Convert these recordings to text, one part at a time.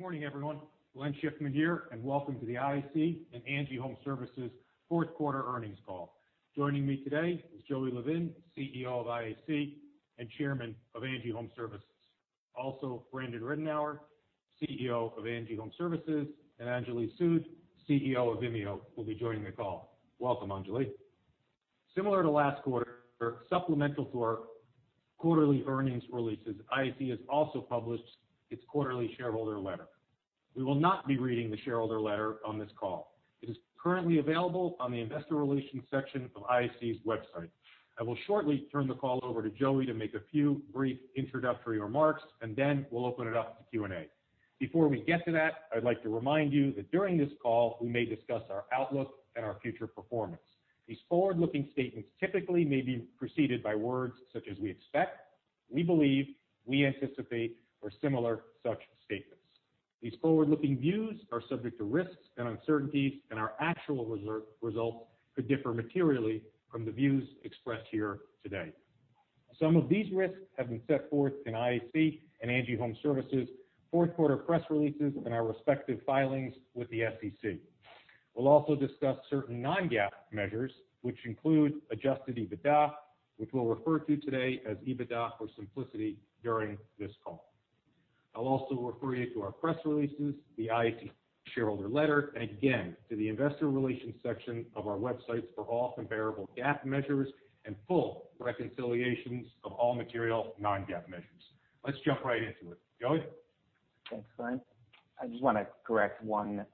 Morning, everyone. Glenn Schiffman here. Welcome to the IAC and ANGI Homeservices fourth quarter earnings call. Joining me today is Joey Levin, CEO of IAC and Chairman of ANGI Homeservices. Brandon Ridenour, CEO of ANGI Homeservices, and Anjali Sud, CEO of Vimeo, will be joining the call. Welcome, Anjali. Similar to last quarter, supplemental to our quarterly earnings releases, IAC has also published its quarterly shareholder letter. We will not be reading the shareholder letter on this call. It is currently available on the investor relations section of IAC's website. I will shortly turn the call over to Joey to make a few brief introductory remarks. We'll open it up to Q&A. Before we get to that, I'd like to remind you that during this call, we may discuss our outlook and our future performance. These forward-looking statements typically may be preceded by words such as "we expect," "we believe," "we anticipate," or similar such statements. These forward-looking views are subject to risks and uncertainties, and our actual results could differ materially from the views expressed here today. Some of these risks have been set forth in IAC and ANGI Homeservices' fourth quarter press releases and our respective filings with the SEC. We'll also discuss certain non-GAAP measures, which include adjusted EBITDA, which we'll refer to today as EBITDA for simplicity during this call. I'll also refer you to our press releases, the IAC shareholder letter, and again, to the investor relations section of our websites for all comparable GAAP measures and full reconciliations of all material non-GAAP measures. Let's jump right into it. Joey? Thanks, Glenn. I just want to correct one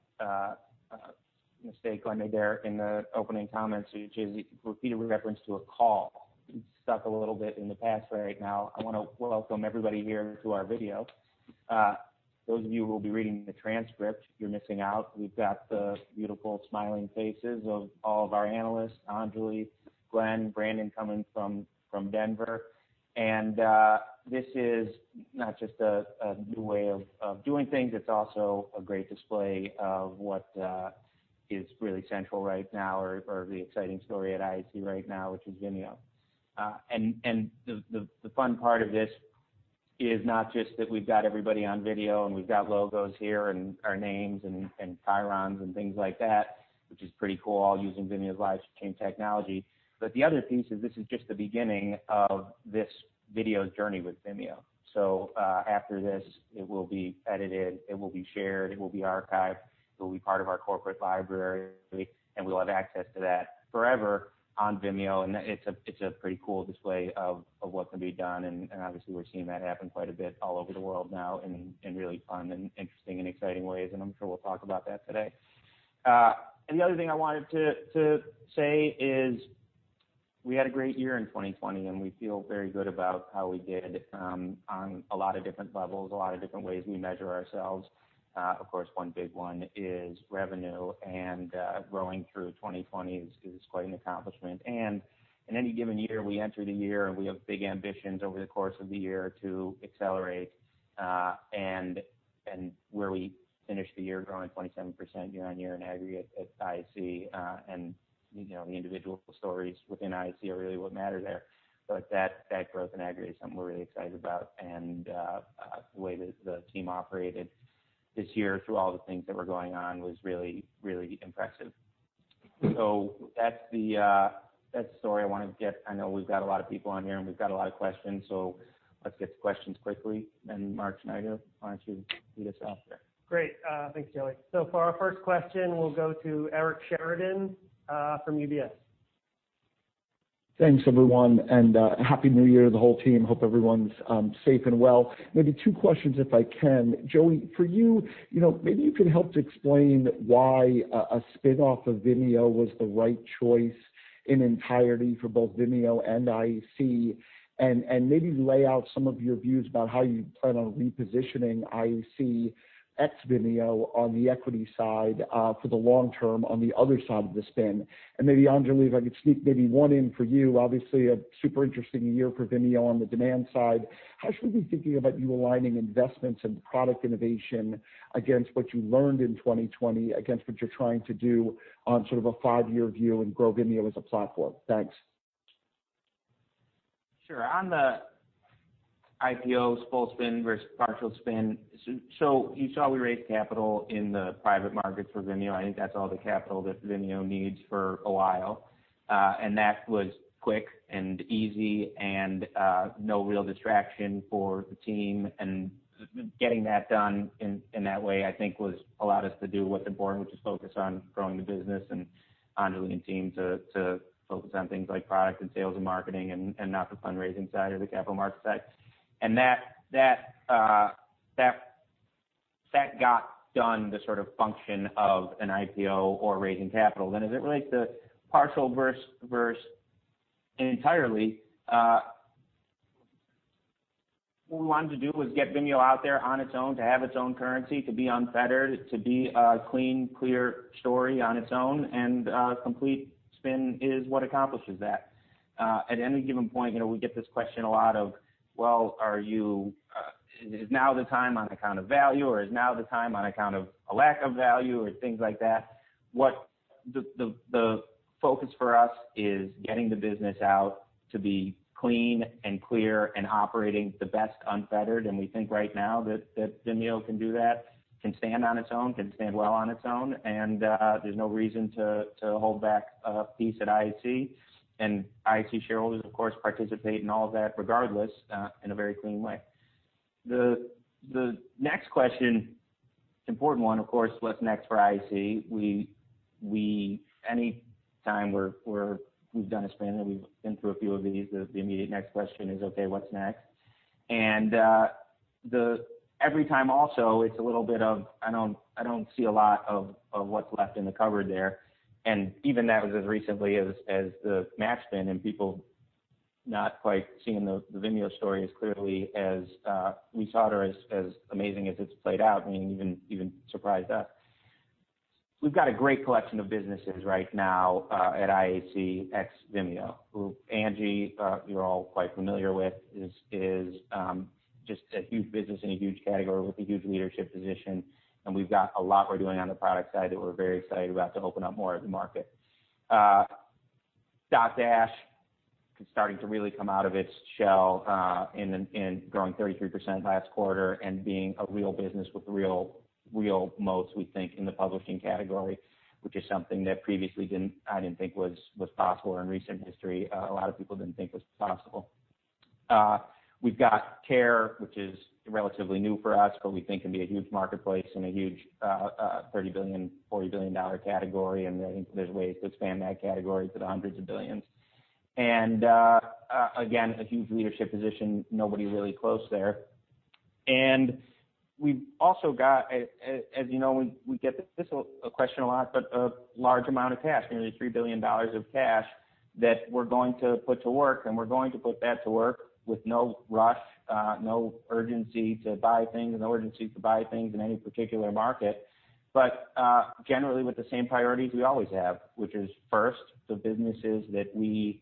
mistake I made there in the opening comments, which is repeated reference to a call. We're stuck a little bit in the past right now. I want to welcome everybody here to our video. Those of you who will be reading the transcript, you're missing out. We've got the beautiful smiling faces of all of our analysts, Anjali, Glenn, Brandon coming from Denver. This is not just a new way of doing things, it's also a great display of what is really central right now or the exciting story at IAC right now, which is Vimeo. The fun part of this is not just that we've got everybody on video and we've got logos here and our names and chyrons and things like that, which is pretty cool, all using Vimeo's live stream technology. The other piece is this is just the beginning of this video's journey with Vimeo. After this, it will be edited, it will be shared, it will be archived, it will be part of our corporate library, and we'll have access to that forever on Vimeo. It's a pretty cool display of what can be done, and obviously we're seeing that happen quite a bit all over the world now in really fun and interesting and exciting ways. I'm sure we'll talk about that today. The other thing I wanted to say is we had a great year in 2020, and we feel very good about how we did on a lot of different levels, a lot of different ways we measure ourselves. Of course, one big one is revenue, and growing through 2020 is quite an accomplishment. In any given year, we enter the year, and we have big ambitions over the course of the year to accelerate. Where we finished the year, growing 27% year-on-year in aggregate at IAC, and the individual stories within IAC are really what matter there. That growth in aggregate is something we're really excited about. The way the team operated this year through all the things that were going on was really impressive. That's the story I wanted to get. I know we've got a lot of people on here, and we've got a lot of questions, so let's get to questions quickly. Mark Schneider, why don't you lead us off there? Great. Thanks, Joey. For our first question, we'll go to Eric Sheridan from UBS. Thanks, everyone, and Happy New Year to the whole team. Hope everyone's safe and well. Maybe two questions if I can. Joey, for you, maybe you could help to explain why a spin-off of Vimeo was the right choice in entirety for both Vimeo and IAC. Maybe lay out some of your views about how you plan on repositioning IAC ex-Vimeo on the equity side for the long term on the other side of the spin. Maybe Anjali, if I could sneak maybe one in for you. Obviously, a super interesting year for Vimeo on the demand side. How should we be thinking about you aligning investments and product innovation against what you learned in 2020, against what you're trying to do on sort of a five-year view and grow Vimeo as a platform? Thanks. Sure. On the IPO full spin versus partial spin, you saw we raised capital in the private markets for Vimeo. I think that's all the capital that Vimeo needs for a while. That was quick and easy and no real distraction for the team. Getting that done in that way, I think, allowed us to do what the board, which is focus on growing the business and Anjali and team to focus on things like product and sales and marketing and not the fundraising side or the capital markets side. That got done the sort of function of an IPO or raising capital. As it relates to partial versus entirely, all we wanted to do was get Vimeo out there on its own, to have its own currency, to be unfettered, to be a clean, clear story on its own, and a complete spin is what accomplishes that. At any given point, we get this question a lot of, well, is now the time on account of value, or is now the time on account of a lack of value or things like that? The focus for us is getting the business out to be clean and clear and operating the best unfettered. We think right now that Vimeo can do that, can stand on its own, can stand well on its own, and there's no reason to hold back a piece at IAC. IAC shareholders, of course, participate in all of that regardless, in a very clean way. The next question, important one, of course, what's next for IAC? Any time we've done a spin and we've been through a few of these, the immediate next question is, okay, what's next? Every time also, it's a little bit of, I don't see a lot of what's left in the cupboard there. Even that was as recently as the Match spin and people not quite seeing the Vimeo story as clearly as we saw, or as amazing as it's played out, meaning it even surprised us. We've got a great collection of businesses right now at IAC, ex-Vimeo. ANGI, you're all quite familiar with, is just a huge business in a huge category with a huge leadership position. We've got a lot we're doing on the product side that we're very excited about to open up more of the market. Dotdash is starting to really come out of its shell and growing 33% last quarter and being a real business with real moats, we think, in the publishing category, which is something that previously I didn't think was possible in recent history. A lot of people didn't think was possible. We've got Care, which is relatively new for us, but we think can be a huge marketplace and a huge $30 billion, $40 billion category, and I think there's ways to expand that category to the hundreds of billions. Again, a huge leadership position. Nobody really close there. We've also got, as you know, we get this question a lot, a large amount of cash, nearly $3 billion of cash that we're going to put to work, and we're going to put that to work with no rush, no urgency to buy things in any particular market. Generally with the same priorities we always have, which is first, the businesses that we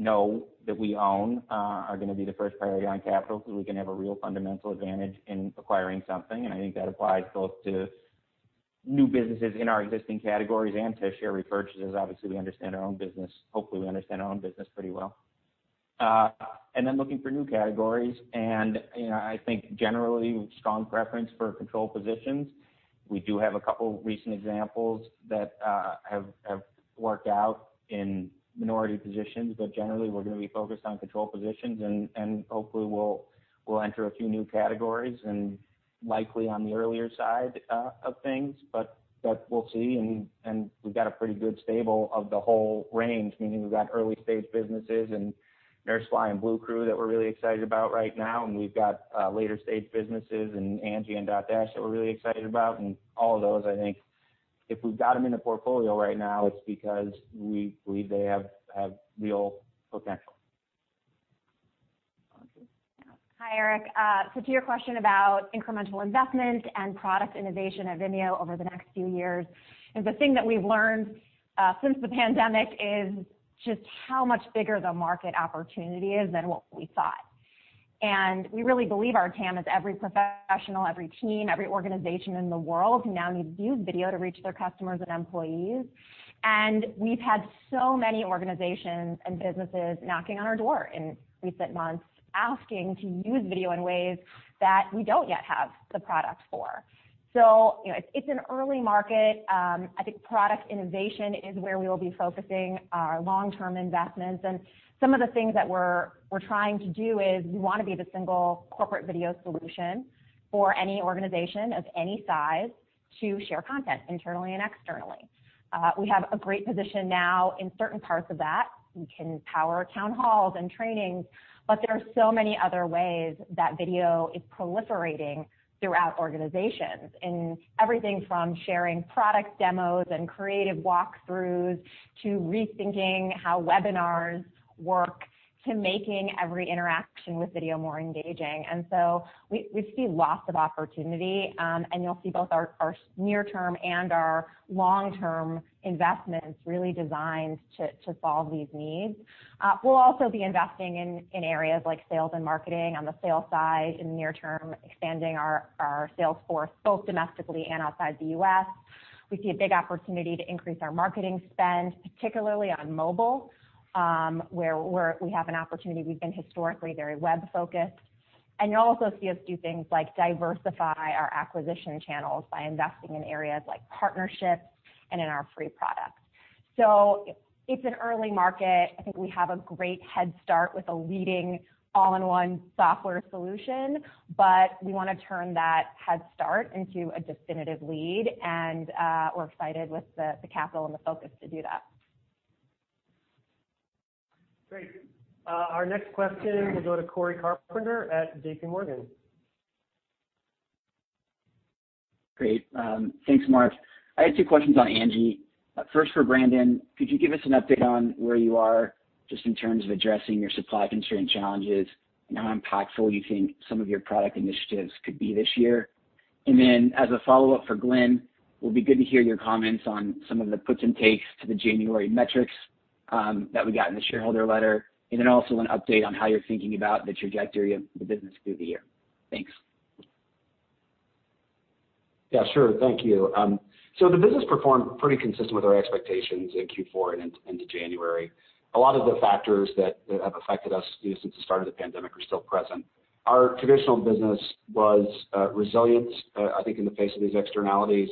know that we own are going to be the first priority on capital because we can have a real fundamental advantage in acquiring something. I think that applies both to new businesses in our existing categories and to share repurchases. Obviously, we understand our own business. Hopefully, we understand our own business pretty well. Then looking for new categories and I think generally strong preference for control positions. We do have a couple recent examples that have worked out in minority positions, but generally, we're going to be focused on control positions and hopefully, we'll enter a few new categories and likely on the earlier side of things. We'll see, and we've got a pretty good stable of the whole range, meaning we've got early-stage businesses in NurseFly and Bluecrew that we're really excited about right now, and we've got later-stage businesses in ANGI and Dotdash that we're really excited about. All of those, I think if we've got them in the portfolio right now, it's because we believe they have real potential. Hi, Eric. To your question about incremental investment and product innovation at Vimeo over the next few years, the thing that we've learned since the pandemic is just how much bigger the market opportunity is than what we thought. We really believe our TAM is every professional, every team, every organization in the world now needs to use video to reach their customers and employees. We've had so many organizations and businesses knocking on our door in recent months asking to use video in ways that we don't yet have the product for. It's an early market. I think product innovation is where we will be focusing our long-term investments. Some of the things that we're trying to do is we want to be the single corporate video solution for any organization of any size to share content internally and externally. We have a great position now in certain parts of that. We can power town halls and trainings, but there are so many other ways that video is proliferating throughout organizations in everything from sharing product demos and creative walkthroughs to rethinking how webinars work, to making every interaction with video more engaging. We see lots of opportunity. You'll see both our near-term and our long-term investments really designed to solve these needs. We'll also be investing in areas like sales and marketing on the sales side in near-term, expanding our sales force both domestically and outside the U.S. We see a big opportunity to increase our marketing spend, particularly on mobile, where we have an opportunity. We've been historically very web-focused. You'll also see us do things like diversify our acquisition channels by investing in areas like partnerships and in our free products. It's an early market. I think we have a great head start with a leading all-in-one software solution, but we want to turn that head start into a definitive lead, and we're excited with the capital and the focus to do that. Great. Our next question will go to Cory Carpenter at JPMorgan. Great. Thanks, Mark. I had two questions on ANGI. First for Brandon, could you give us an update on where you are just in terms of addressing your supply constraint challenges and how impactful you think some of your product initiatives could be this year? As a follow-up for Glenn, it would be good to hear your comments on some of the puts and takes to the January metrics that we got in the shareholder letter, and then also an update on how you're thinking about the trajectory of the business through the year. Thanks. Yeah, sure. Thank you. The business performed pretty consistent with our expectations in Q4 and into January. A lot of the factors that have affected us since the start of the pandemic are still present. Our traditional business was resilient, I think, in the face of these externalities.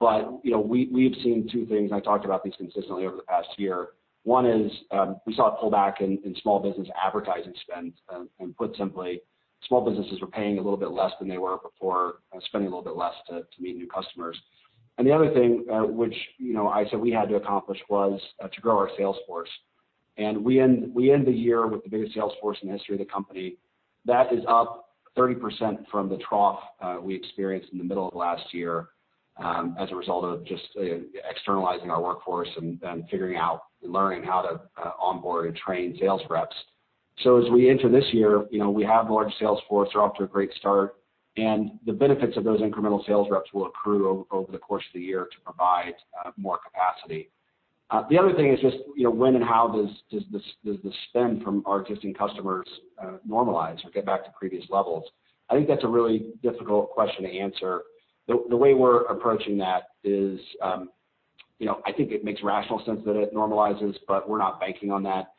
We've seen two things, and I talked about these consistently over the past year. One is we saw a pullback in small business advertising spend, and put simply, small businesses were paying a little bit less than they were before and spending a little bit less to meet new customers. The other thing which I said we had to accomplish was to grow our sales force. We end the year with the biggest sales force in the history of the company. That is up 30% from the trough we experienced in the middle of last year as a result of just externalizing our workforce and then figuring out and learning how to onboard and train sales reps. As we enter this year, we have a large sales force. We're off to a great start, and the benefits of those incremental sales reps will accrue over the course of the year to provide more capacity. The other thing is just when and how does the spend from our existing customers normalize or get back to previous levels? I think that's a really difficult question to answer. The way we're approaching that is, I think it makes rational sense that it normalizes, but we're not banking on that.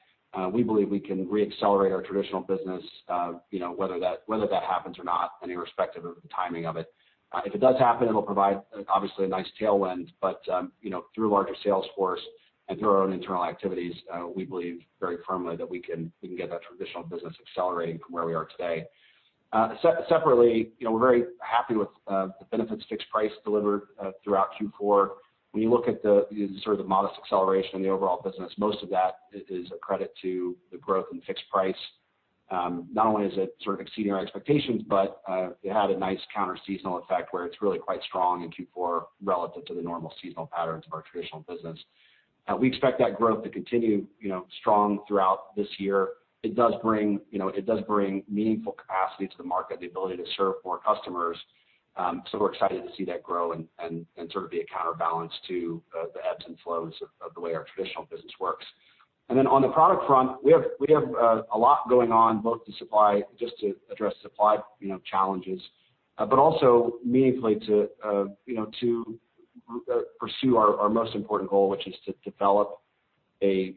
We believe we can re-accelerate our traditional business whether that happens or not and irrespective of the timing of it. If it does happen, it'll provide obviously a nice tailwind. Through a larger sales force and through our own internal activities, we believe very firmly that we can get that traditional business accelerating from where we are today. Separately, we're very happy with the benefits fixed-price delivered throughout Q4. When you look at the sort of modest acceleration in the overall business, most of that is a credit to the growth in fixed-price. Not only is it sort of exceeding our expectations, but it had a nice counter seasonal effect where it's really quite strong in Q4 relative to the normal seasonal patterns of our traditional business. We expect that growth to continue strong throughout this year. It does bring meaningful capacity to the market, the ability to serve more customers. We're excited to see that grow and sort of be a counterbalance to the ebbs and flows of the way our traditional business works. On the product front, we have a lot going on both to supply, just to address supply challenges, but also meaningfully to pursue our most important goal, which is to develop a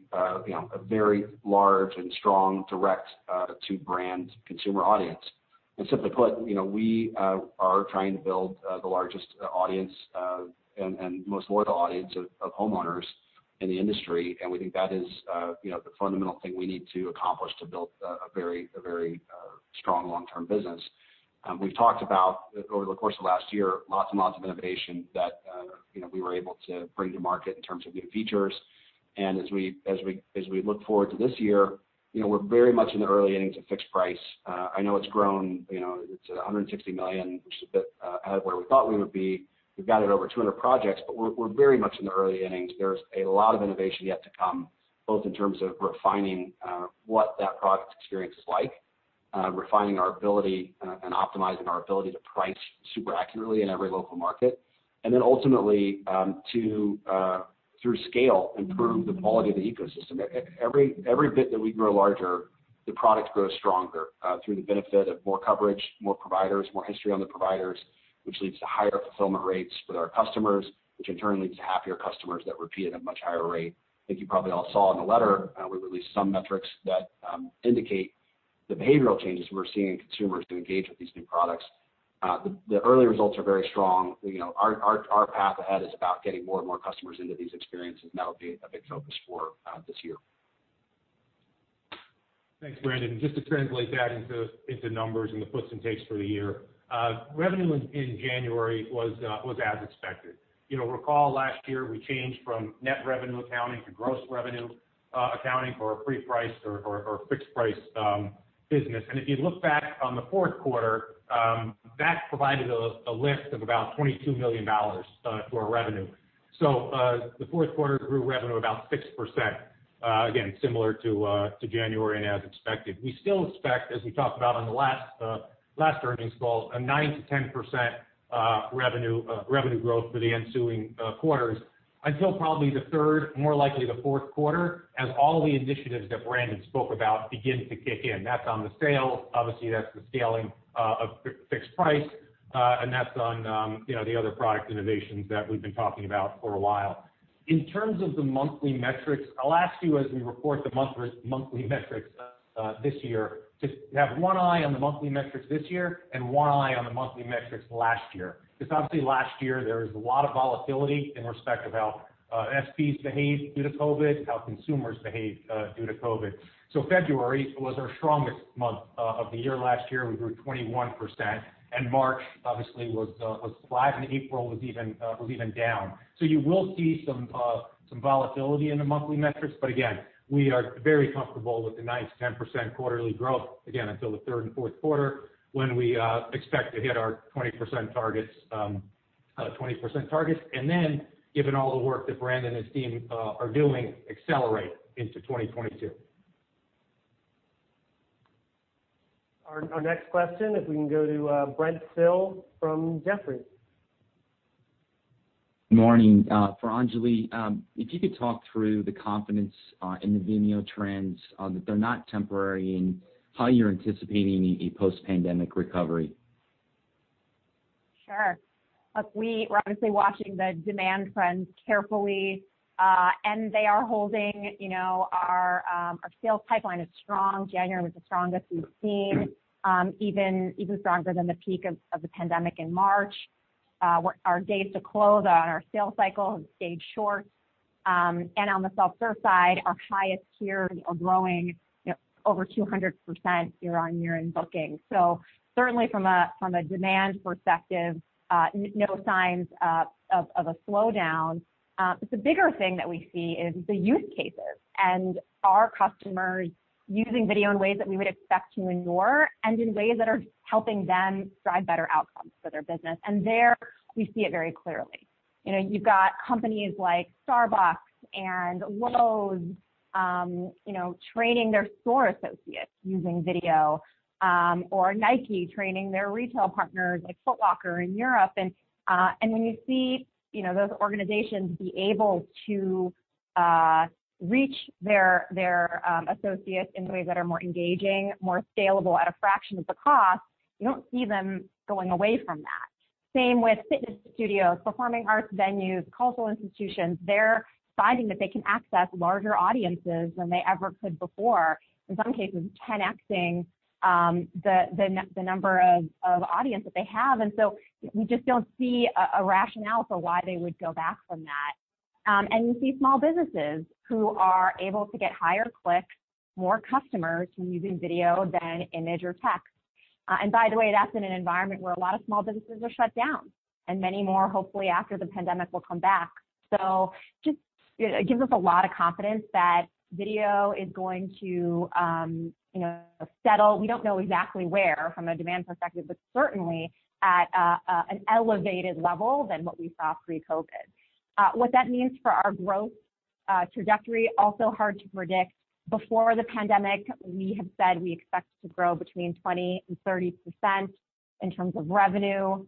very large and strong direct-to-brand consumer audience. Simply put, we are trying to build the largest audience and most loyal audience of homeowners in the industry, and we think that is the fundamental thing we need to accomplish to build a very strong long-term business. We've talked about, over the course of last year, lots and lots of innovation that we were able to bring to market in terms of new features. As we look forward to this year, we're very much in the early innings of fixed-price. I know it's grown to 160 million, which is a bit ahead of where we thought we would be. We've guided over 200 projects, but we're very much in the early innings. There's a lot of innovation yet to come, both in terms of refining what that product experience is like, refining our ability and optimizing our ability to price super accurately in every local market, and then ultimately through scale, improve the quality of the ecosystem. Every bit that we grow larger, the product grows stronger through the benefit of more coverage, more providers, more history on the providers, which leads to higher fulfillment rates with our customers, which in turn leads to happier customers that repeat at a much higher rate. I think you probably all saw in the letter we released some metrics that indicate the behavioral changes we're seeing in consumers who engage with these new products. The early results are very strong. Our path ahead is about getting more and more customers into these experiences, and that'll be a big focus for this year. Thanks, Brandon. Just to translate that into numbers and the puts and takes for the year. Revenue in January was as expected. Recall last year we changed from net revenue accounting to gross revenue accounting for a pre-price or fixed-price business. If you look back on the fourth quarter, that provided a lift of about $22 million to our revenue. The fourth quarter grew revenue about 6%, again, similar to January and as expected. We still expect, as we talked about on the last earnings call, a 9%-10% revenue growth for the ensuing quarters until probably the third, more likely the fourth quarter, as all the initiatives that Brandon spoke about begin to kick in. That's on the sale, obviously that's the scaling of fixed-price, and that's on the other product innovations that we've been talking about for a while. In terms of the monthly metrics, I'll ask you as we report the monthly metrics this year to have one eye on the monthly metrics this year and one eye on the monthly metrics last year. Obviously last year, there was a lot of volatility in respect of how SPs behaved due to COVID, how consumers behaved due to COVID. February was our strongest month of the year last year. We grew 21%. March obviously was flat. April was even down. You will see some volatility in the monthly metrics. Again, we are very comfortable with the 9%-10% quarterly growth again until the third and fourth quarter when we expect to hit our 20% targets. Given all the work that Brandon and his team are doing, accelerate into 2022. Our next question, if we can go to Brent Thill from Jefferies. Morning. For Anjali, if you could talk through the confidence in the Vimeo trends, that they're not temporary, and how you're anticipating a post-pandemic recovery? Sure. Look, we are obviously watching the demand trends carefully, they are holding. Our sales pipeline is strong. January was the strongest we've seen, even stronger than the peak of the pandemic in March. Our days to close on our sales cycle have stayed short. On the self-serve side, our highest tiers are growing over 200% year-on-year in bookings. Certainly from a demand perspective, no signs of a slowdown. The bigger thing that we see is the use cases, our customers using video in ways that we would expect and more, in ways that are helping them drive better outcomes for their business. There, we see it very clearly. You've got companies like Starbucks and Lowe's training their store associates using video, or NIKE training their retail partners like Foot Locker in Europe. When you see those organizations be able to reach their associates in ways that are more engaging, more scalable at a fraction of the cost, you don't see them going away from that. Same with fitness studios, performing arts venues, cultural institutions. They're finding that they can access larger audiences than they ever could before. In some cases, 10x-ing the number of audience that they have. We just don't see a rationale for why they would go back from that. You see small businesses who are able to get higher clicks, more customers using video than image or text. By the way, that's in an environment where a lot of small businesses are shut down, and many more, hopefully, after the pandemic will come back. It gives us a lot of confidence that video is going to settle, we don't know exactly where from a demand perspective, but certainly at an elevated level than what we saw pre-COVID. What that means for our growth trajectory, also hard to predict. Before the pandemic, we had said we expect to grow between 20% and 30% in terms of revenue.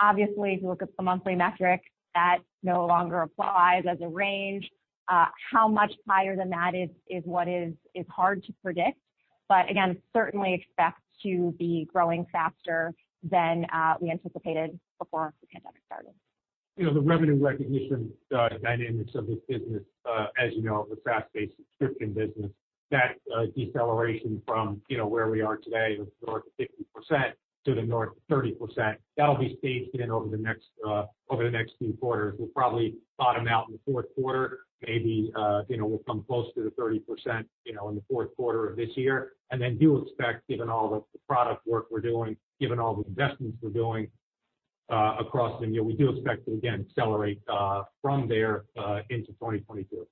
Obviously, if you look at the monthly metrics, that no longer applies as a range. How much higher than that is what is hard to predict. Again, certainly expect to be growing faster than we anticipated before the pandemic started. The revenue recognition dynamics of this business, as you know, the SaaS-based subscription business, that deceleration from where we are today with north of 50% to the north of 30%, that'll be staged in over the next few quarters. We'll probably bottom out in the fourth quarter, maybe we'll come close to the 30% in the fourth quarter of this year. Do expect, given all the product work we're doing, given all the investments we're doing across Vimeo, we do expect to, again, accelerate from there into 2022.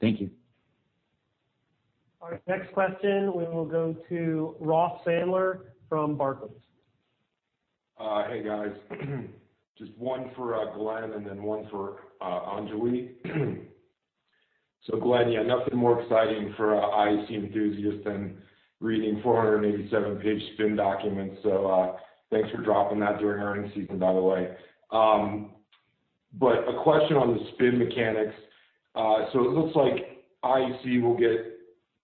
Thank you. All right. Next question, we will go to Ross Sandler from Barclays. Hey, guys. Just one for Glenn and then one for Anjali. Glenn, yeah, nothing more exciting for an IAC enthusiast than reading 487-page spin documents. Thanks for dropping that during earnings season, by the way. A question on the spin mechanics. It looks like IAC will get,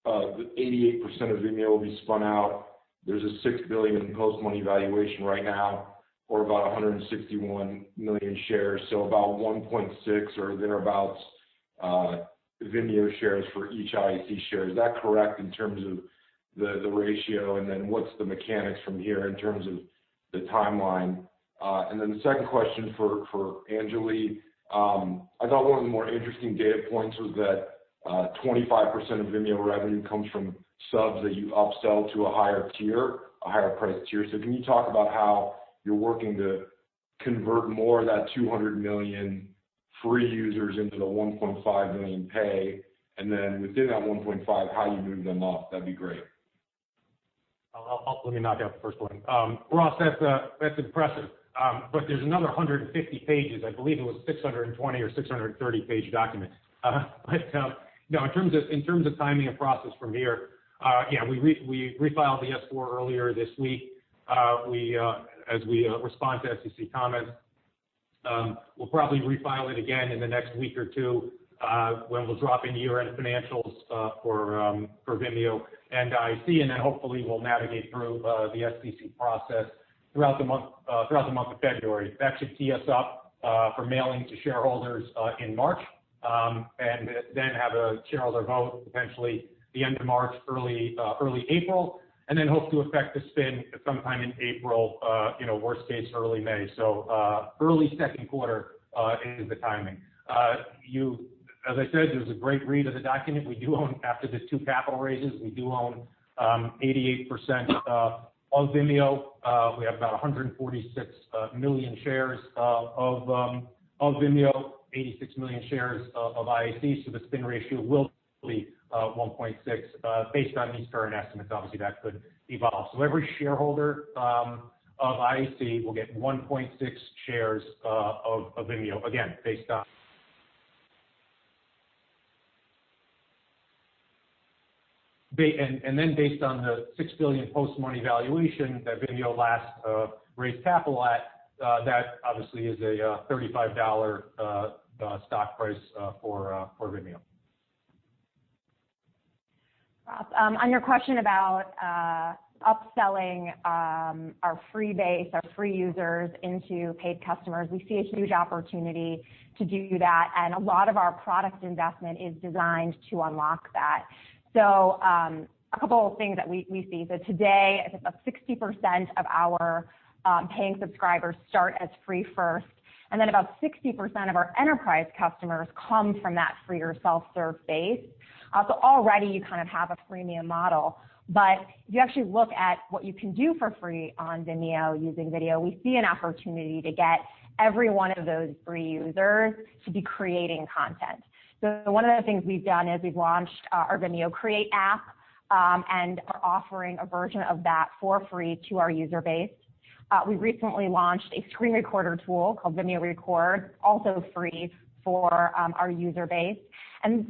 88% of Vimeo will be spun out. There's a $6 billion in post-money valuation right now, or about 161 million shares, so about 1.6 or thereabouts Vimeo shares for each IAC share. Is that correct in terms of the ratio? What's the mechanics from here in terms of the timeline? The second question for Anjali. I thought one of the more interesting data points was that 25% of Vimeo revenue comes from subs that you upsell to a higher tier, a higher-priced tier. Can you talk about how you're working to convert more of that 200 million free users into the 1.5 million pay? Within that 1.5, how you move them up? That'd be great. Let me knock out the first one. Ross, that's impressive. There's another 150 pages. I believe it was 620 or 630-page document. No, in terms of timing and process from here, yeah, we refiled the S-4 earlier this week. As we respond to SEC comments, we'll probably refile it again in the next week or two, when we're dropping the year-end financials for Vimeo and IAC, and then hopefully we'll navigate through the SEC process throughout the month of February. That should tee us up for mailing to shareholders in March, and then have a shareholder vote potentially the end of March, early April, and then hope to effect the spin sometime in April, worst case, early May. Early second quarter is the timing. As I said, it was a great read of the document. After the two capital raises, we do own 88% of Vimeo. We have about 146 million shares of Vimeo, 86 million shares of IAC. The spin ratio will be 1.6 based on these current estimates. Obviously, that could evolve. Every shareholder of IAC will get 1.6 shares of Vimeo, again. Based on the $6 billion post-money valuation that Vimeo last raised capital at, that obviously is a $35 stock price for Vimeo. Ross, on your question about upselling our free base, our free users into paid customers, we see a huge opportunity to do that. A lot of our product investment is designed to unlock that. A couple of things that we see. Today, I think about 60% of our paying subscribers start as free first. About 60% of our enterprise customers come from that free or self-serve base. Already you kind of have a freemium model. If you actually look at what you can do for free on Vimeo using video, we see an opportunity to get every one of those free users to be creating content. One of the things we've done is we've launched our Vimeo Create app, and are offering a version of that for free to our user base. We recently launched a screen recorder tool called Vimeo Record, also free for our user base.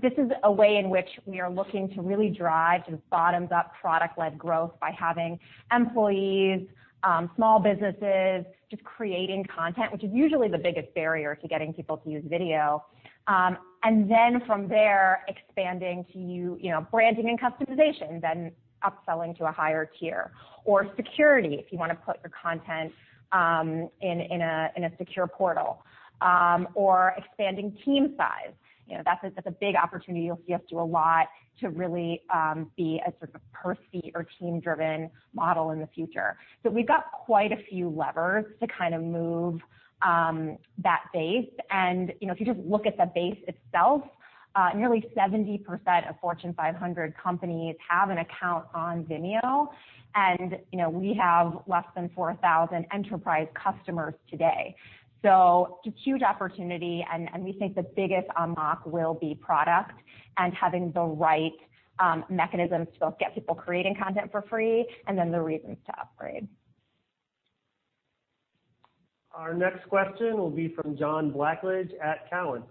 This is a way in which we are looking to really drive just bottoms-up product-led growth by having employees, small businesses, just creating content, which is usually the biggest barrier to getting people to use video. From there, expanding to branding and customization, then upselling to a higher tier. Security, if you want to put your content in a secure portal. Expanding team size. That's a big opportunity. You'll see us do a lot to really be a sort of per-seat or team-driven model in the future. We've got quite a few levers to kind of move that base. If you just look at the base itself, nearly 70% of Fortune 500 companies have an account on Vimeo. We have less than 4,000 enterprise customers today. It's a huge opportunity, and we think the biggest unlock will be product and having the right mechanisms to both get people creating content for free, and then the reasons to upgrade. Our next question will be from John Blackledge at Cowen.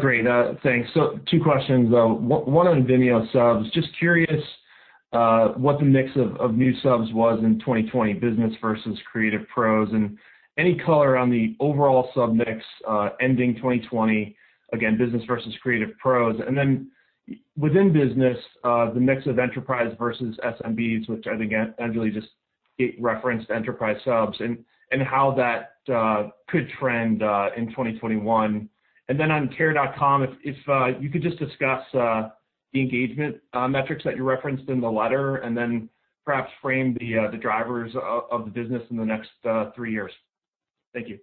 Great. Thanks. two questions. One on Vimeo subs. Just curious what the mix of new subs was in 2020, business versus creative pros, and any color on the overall sub mix ending 2020, again, business versus creative pros. Within business, the mix of Enterprise versus SMBs, which I think Anjali just referenced enterprise subs, and how that could trend in 2021. On Care.com, if you could just discuss the engagement metrics that you referenced in the letter, then perhaps frame the drivers of the business in the next three years. Thank you.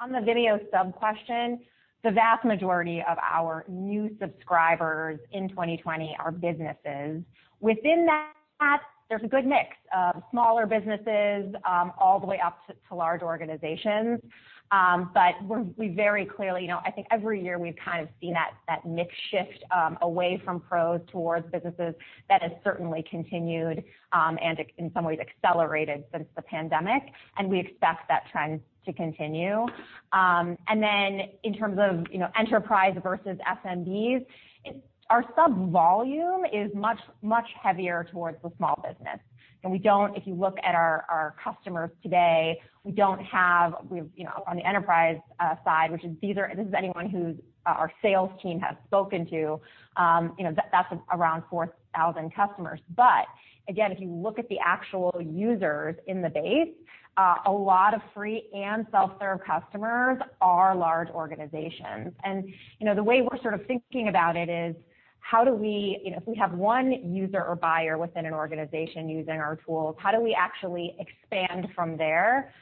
On the Vimeo sub question, the vast majority of our new subscribers in 2020 are businesses. Within that, there's a good mix of smaller businesses all the way up to large organizations. We very clearly, I think every year we've kind of seen that mix shift away from pros towards businesses. That has certainly continued, and in some ways accelerated since the pandemic, and we expect that trend to continue. In terms of Enterprise versus SMBs, our sub volume is much heavier towards the small business. We don't, if you look at our customers today, we don't have on the Enterprise side, which is either this is anyone who our sales team has spoken to, that's around 4,000 customers. If you look at the actual users in the base, a lot of free and self-serve customers are large organizations. The way we're sort of thinking about it is, if we have one user or buyer within an organization using our tools, how do we actually expand from there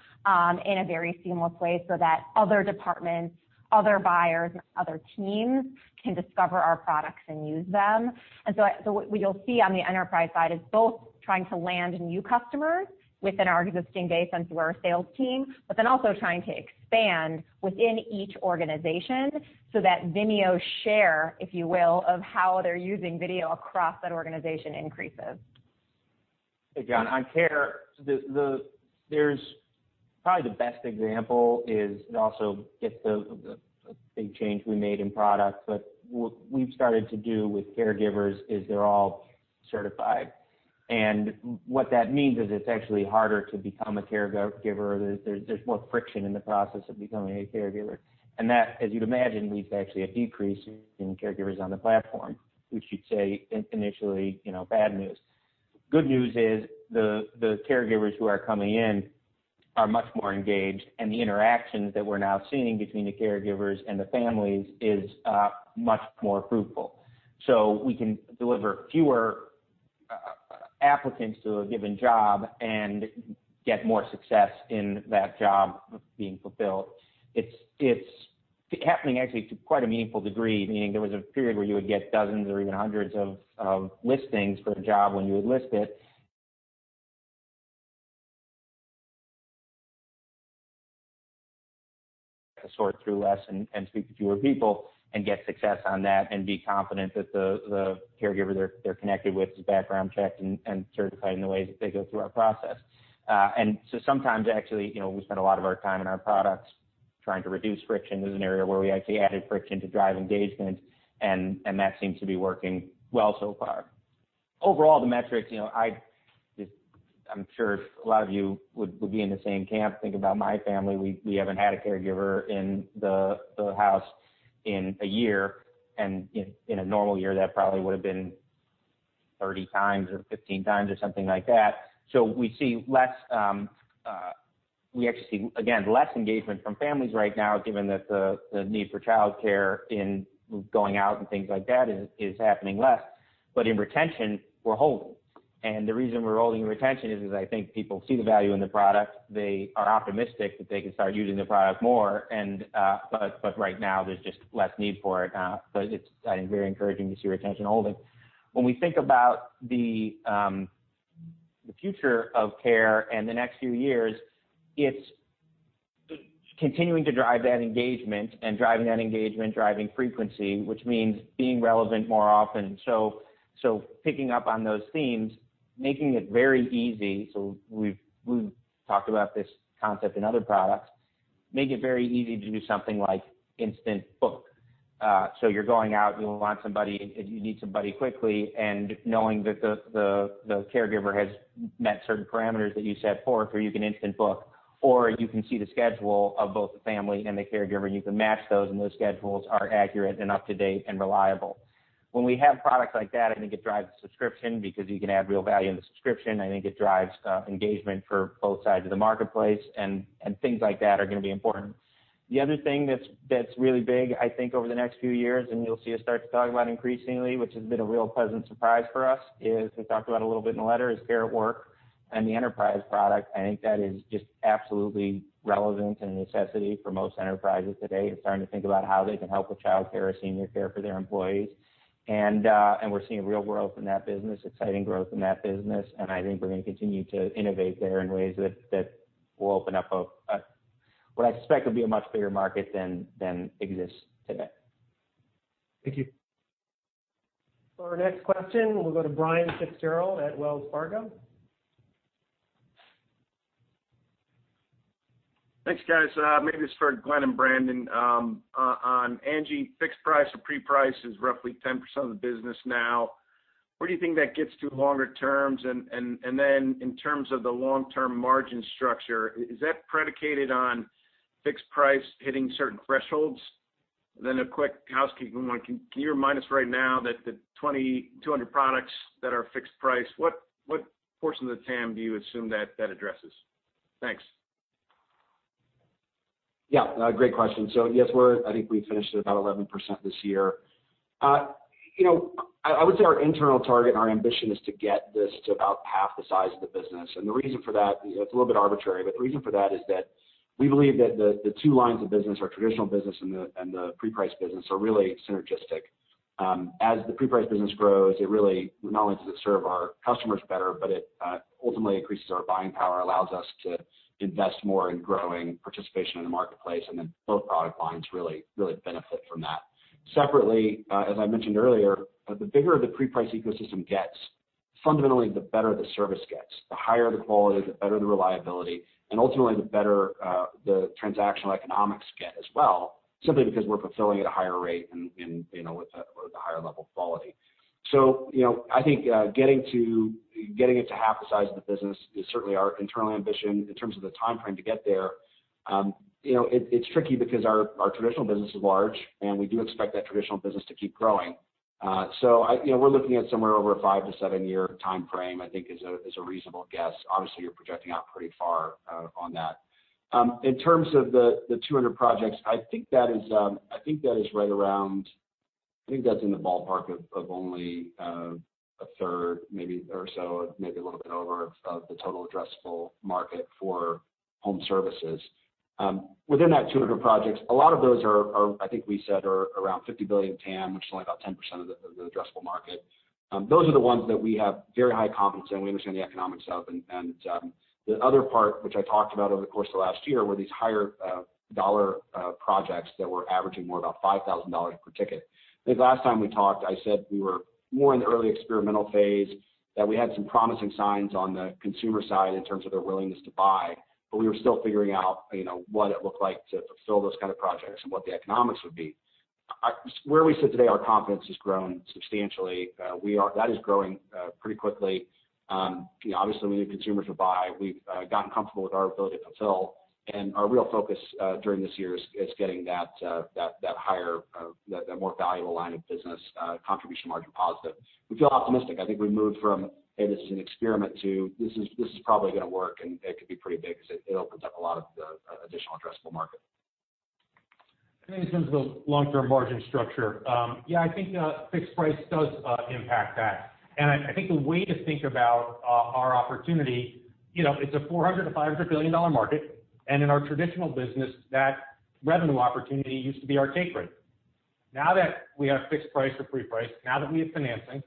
in a very seamless way so that other departments, other buyers, and other teams can discover our products and use them? What you'll see on the Enterprise side is both trying to land new customers within our existing base and through our sales team, but then also trying to expand within each organization so that Vimeo's share, if you will, of how they're using video across that organization increases. Hey, John, on Care, probably the best example is, it also gets a big change we made in product, but what we've started to do with caregivers is they're all certified. What that means is it's actually harder to become a caregiver. There's more friction in the process of becoming a caregiver. That, as you'd imagine, leads to actually a decrease in caregivers on the platform, which you'd say initially bad news. Good news is the caregivers who are coming in are much more engaged, and the interactions that we're now seeing between the caregivers and the families is much more fruitful. We can deliver fewer applicants to a given job and get more success in that job being fulfilled. It's happening actually to quite a meaningful degree, meaning there was a period where you would get dozens or even hundreds of listings for a job when you would list it. Sort through less and speak to fewer people and get success on that and be confident that the caregiver they're connected with is background checked and certified in the ways that they go through our process. Sometimes actually, we spend a lot of our time in our products trying to reduce friction is an area where we actually added friction to drive engagement, and that seems to be working well so far. Overall, the metrics, I'm sure a lot of you would be in the same camp. Think about my family. We haven't had a caregiver in the house in a year. In a normal year, that probably would've been 30x or 15x or something like that. We actually see, again, less engagement from families right now, given that the need for childcare in going out and things like that is happening less. In retention, we're holding. The reason we're holding retention is I think people see the value in the product. They are optimistic that they can start using the product more. Right now, there's just less need for it. It's, I think, very encouraging to see retention holding. When we think about the future of Care and the next few years, it's continuing to drive that engagement, and driving that engagement, driving frequency, which means being relevant more often. Picking up on those themes, making it very easy. We've talked about this concept in other products. Make it very easy to do something like instant book. You're going out, you need somebody quickly, and knowing that the caregiver has met certain parameters that you set forth, or you can instant book. You can see the schedule of both the family and the caregiver, and you can match those, and those schedules are accurate and up-to-date and reliable. When we have products like that, I think it drives a subscription because you can add real value in the subscription. I think it drives engagement for both sides of the marketplace, and things like that are going to be important. The other thing that's really big, I think over the next few years, and you'll see us start to talk about increasingly, which has been a real pleasant surprise for us, is we talked about a little bit in the letter, is Care@Work and the enterprise product. I think that is just absolutely relevant and a necessity for most enterprises today, starting to think about how they can help with childcare or senior care for their employees. We're seeing real growth in that business, exciting growth in that business. I think we're going to continue to innovate there in ways that will open up a, what I suspect would be a much bigger market than exists today. Thank you. For our next question, we'll go to Brian FitzGerald at Wells Fargo. Thanks, guys. Maybe this is for Glenn and Brandon. On ANGI, fixed-price or pre-price is roughly 10% of the business now. Where do you think that gets to longer terms? In terms of the long-term margin structure, is that predicated on fixed-price hitting certain thresholds? A quick housekeeping one, can you remind us right now that the 20, 200 products that are fixed-price, what portion of the TAM do you assume that addresses? Thanks. Yeah. Great question. Yes, I think we finished at about 11% this year. I would say our internal target and our ambition is to get this to about half the size of the business. The reason for that, it's a little bit arbitrary, but the reason for that is that we believe that the two lines of business, our traditional business and the pre-priced business, are really synergistic. As the pre-priced business grows, not only does it serve our customers better, but it ultimately increases our buying power, allows us to invest more in growing participation in the marketplace, and then both product lines really benefit from that. Separately, as I mentioned earlier, the bigger the pre-priced ecosystem gets, fundamentally, the better the service gets. The higher the quality, the better the reliability, and ultimately, the better the transactional economics get as well, simply because we're fulfilling at a higher rate and with the higher level of quality. I think getting it to half the size of the business is certainly our internal ambition. In terms of the timeframe to get there, it's tricky because our traditional business is large, and we do expect that traditional business to keep growing. We're looking at somewhere over a five to seven-year timeframe, I think is a reasonable guess. Obviously, you're projecting out pretty far on that. In terms of the 200 projects, I think that's in the ballpark of only a third maybe or so, maybe a little bit over, of the total addressable market for home services. Within that 200 projects, a lot of those, I think we said, are around $50 billion TAM, which is only about 10% of the addressable market. Those are the ones that we have very high confidence in, we understand the economics of. The other part, which I talked about over the course of the last year, were these higher dollar projects that were averaging more about $5,000 per ticket. I think last time we talked, I said we were more in the early experimental phase, that we had some promising signs on the consumer side in terms of their willingness to buy, but we were still figuring out what it looked like to fulfill those kind of projects and what the economics would be. Where we sit today, our confidence has grown substantially. That is growing pretty quickly. Obviously, we need consumers to buy. We've gotten comfortable with our ability to fulfill. Our real focus, during this year, is getting that more valuable line of business, contribution margin positive. We feel optimistic. I think we've moved from, "Hey, this is an experiment," to, "This is probably gonna work, and it could be pretty big," because it opens up a lot of the additional addressable market. I think in terms of the long-term margin structure, yeah, I think fixed-price does impact that. I think the way to think about our opportunity, it's a $400 billion-$500 billion market, and in our traditional business, that revenue opportunity used to be our take rate. Now that we have fixed-price or pre-price, now that we have financing,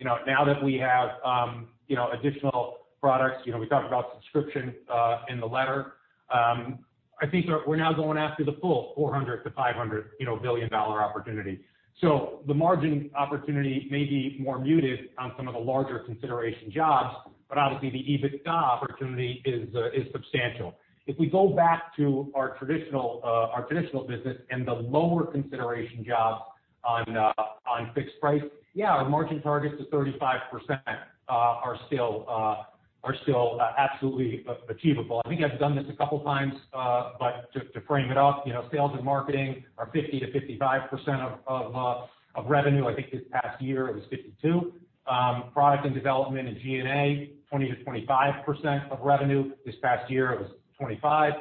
now that we have additional products, we talked about subscription in the letter. I think we're now going after the full $400 billion-$500 billion opportunity. The margin opportunity may be more muted on some of the larger consideration jobs, but obviously the EBITDA opportunity is substantial. If we go back to our traditional business and the lower consideration jobs on fixed-price, yeah, our margin targets to 35% are still absolutely achievable. I think I've done this a couple of times, but just to frame it up, sales and marketing are 50%-55% of revenue. I think this past year it was 52%. Product and development and G&A, 20%-25% of revenue. This past year it was 25%.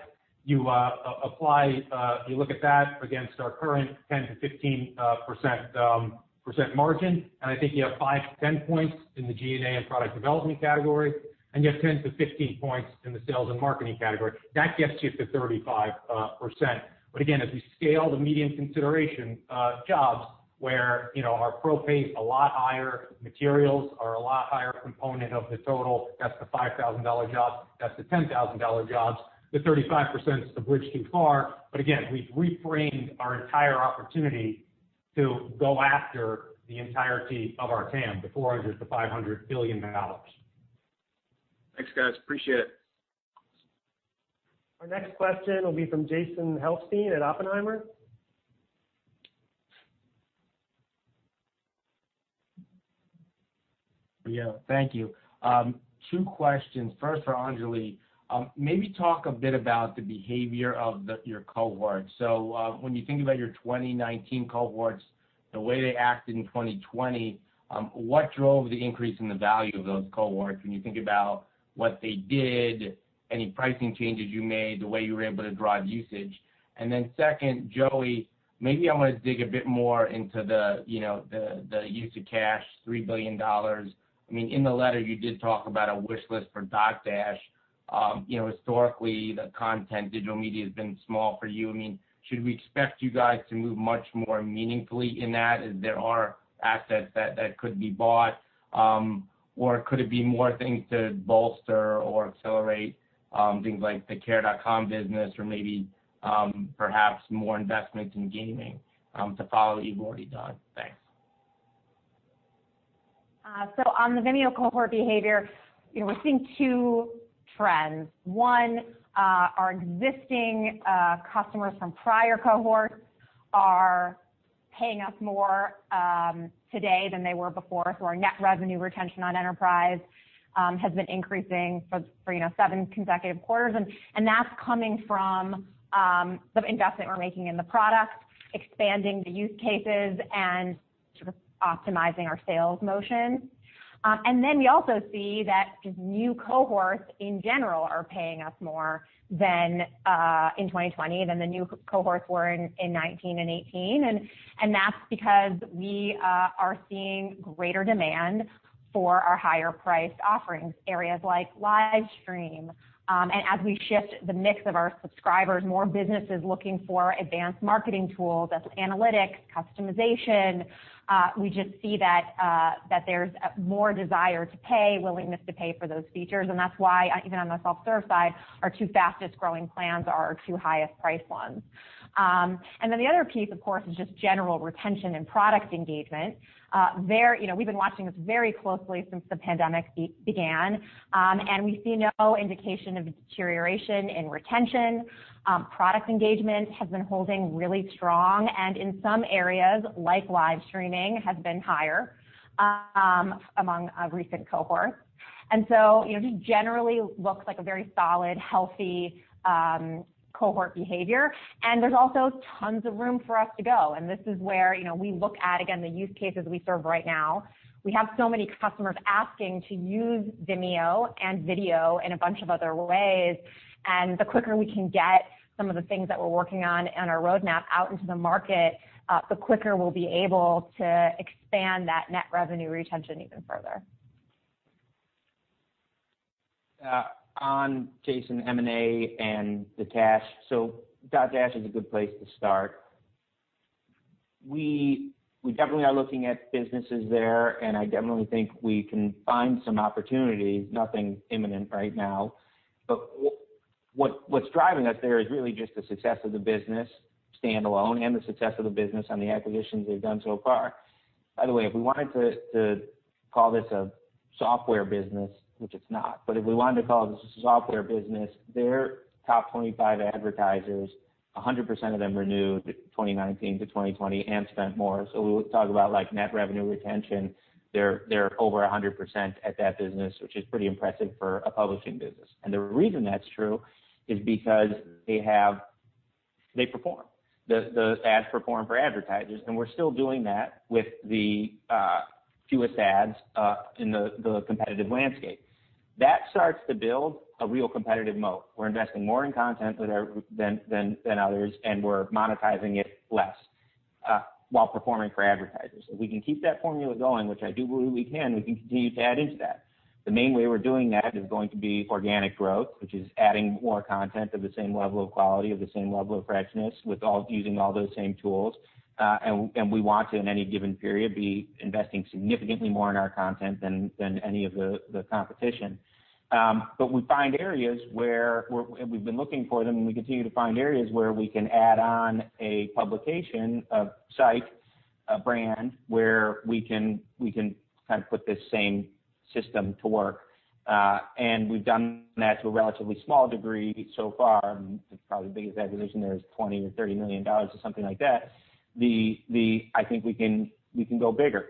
You look at that against our current 10%-15% margin, and I think you have 5 points-10 points in the G&A and product development category, and you have 10 points-15 points in the sales and marketing category. That gets you to 35%. Again, as we scale the median consideration jobs where our pro pay is a lot higher, materials are a lot higher component of the total, that's the $5,000 jobs, that's the $10,000 jobs. The 35% is the bridge too far, but again, we've reframed our entire opportunity to go after the entirety of our TAM, the $400 billion-$500 billion. Thanks, guys. Appreciate it. Our next question will be from Jason Helfstein at Oppenheimer. Thank you. Two questions. First for Anjali. Maybe talk a bit about the behavior of your cohort. When you think about your 2019 cohorts, the way they acted in 2020, what drove the increase in the value of those cohorts when you think about what they did, any pricing changes you made, the way you were able to drive usage? Second, Joey, maybe I want to dig a bit more into the use of cash, $3 billion. In the letter, you did talk about a wish list for Dotdash. Historically, the content digital media has been small for you. Should we expect you guys to move much more meaningfully in that as there are assets that could be bought? Or could it be more things to bolster or accelerate things like the Care.com business or maybe perhaps more investment in gaming to follow you've already done? Thanks. On the Vimeo cohort behavior, we're seeing two trends. One, our existing customers from prior cohorts are paying us more today than they were before. Our net revenue retention on enterprise has been increasing for seven consecutive quarters, that's coming from some investment we're making in the product, expanding the use cases, and sort of optimizing our sales motion. We also see that just new cohorts in general are paying us more than in 2020 than the new cohorts were in 2019 and 2018. That's because we are seeing greater demand for our higher-priced offerings, areas like live stream. As we shift the mix of our subscribers, more businesses looking for advanced marketing tools, that's analytics, customization. We just see that there's more desire to pay, willingness to pay for those features. That's why even on the self-serve side, our two fastest-growing plans are our two highest priced ones. The other piece, of course, is just general retention and product engagement. We've been watching this very closely since the pandemic began, and we see no indication of a deterioration in retention. Product engagement has been holding really strong, and in some areas like live streaming has been higher among recent cohorts. Just generally looks like a very solid, healthy cohort behavior. There's also tons of room for us to go. This is where we look at, again, the use cases we serve right now. We have so many customers asking to use Vimeo and video in a bunch of other ways. The quicker we can get some of the things that we're working on and our roadmap out into the market, the quicker we'll be able to expand that net revenue retention even further. Jason, M&A and the cash. Dotdash is a good place to start. We definitely are looking at businesses there, and I definitely think we can find some opportunities, nothing imminent right now. What's driving us there is really just the success of the business standalone and the success of the business on the acquisitions they've done so far. By the way, if we wanted to call this a software business, which it's not, but if we wanted to call this a software business, their top 25 advertisers, 100% of them renewed 2019 to 2020 and spent more. We talk about net revenue retention. They're over 100% at that business, which is pretty impressive for a publishing business. The reason that's true is because they perform. Those ads perform for advertisers, and we're still doing that with the fewest ads in the competitive landscape. That starts to build a real competitive moat. We're investing more in content than others, and we're monetizing it less while performing for advertisers. If we can keep that formula going, which I do believe we can, we can continue to add into that. The main way we're doing that is going to be organic growth, which is adding more content of the same level of quality, of the same level of freshness, with using all those same tools. We want to, in any given period, be investing significantly more in our content than any of the competition. We find areas where we've been looking for them, and we continue to find areas where we can add on a publication, a site, a brand, where we can put this same system to work. We've done that to a relatively small degree so far. Probably the biggest acquisition there is $20 million or $30 million or something like that. I think we can go bigger.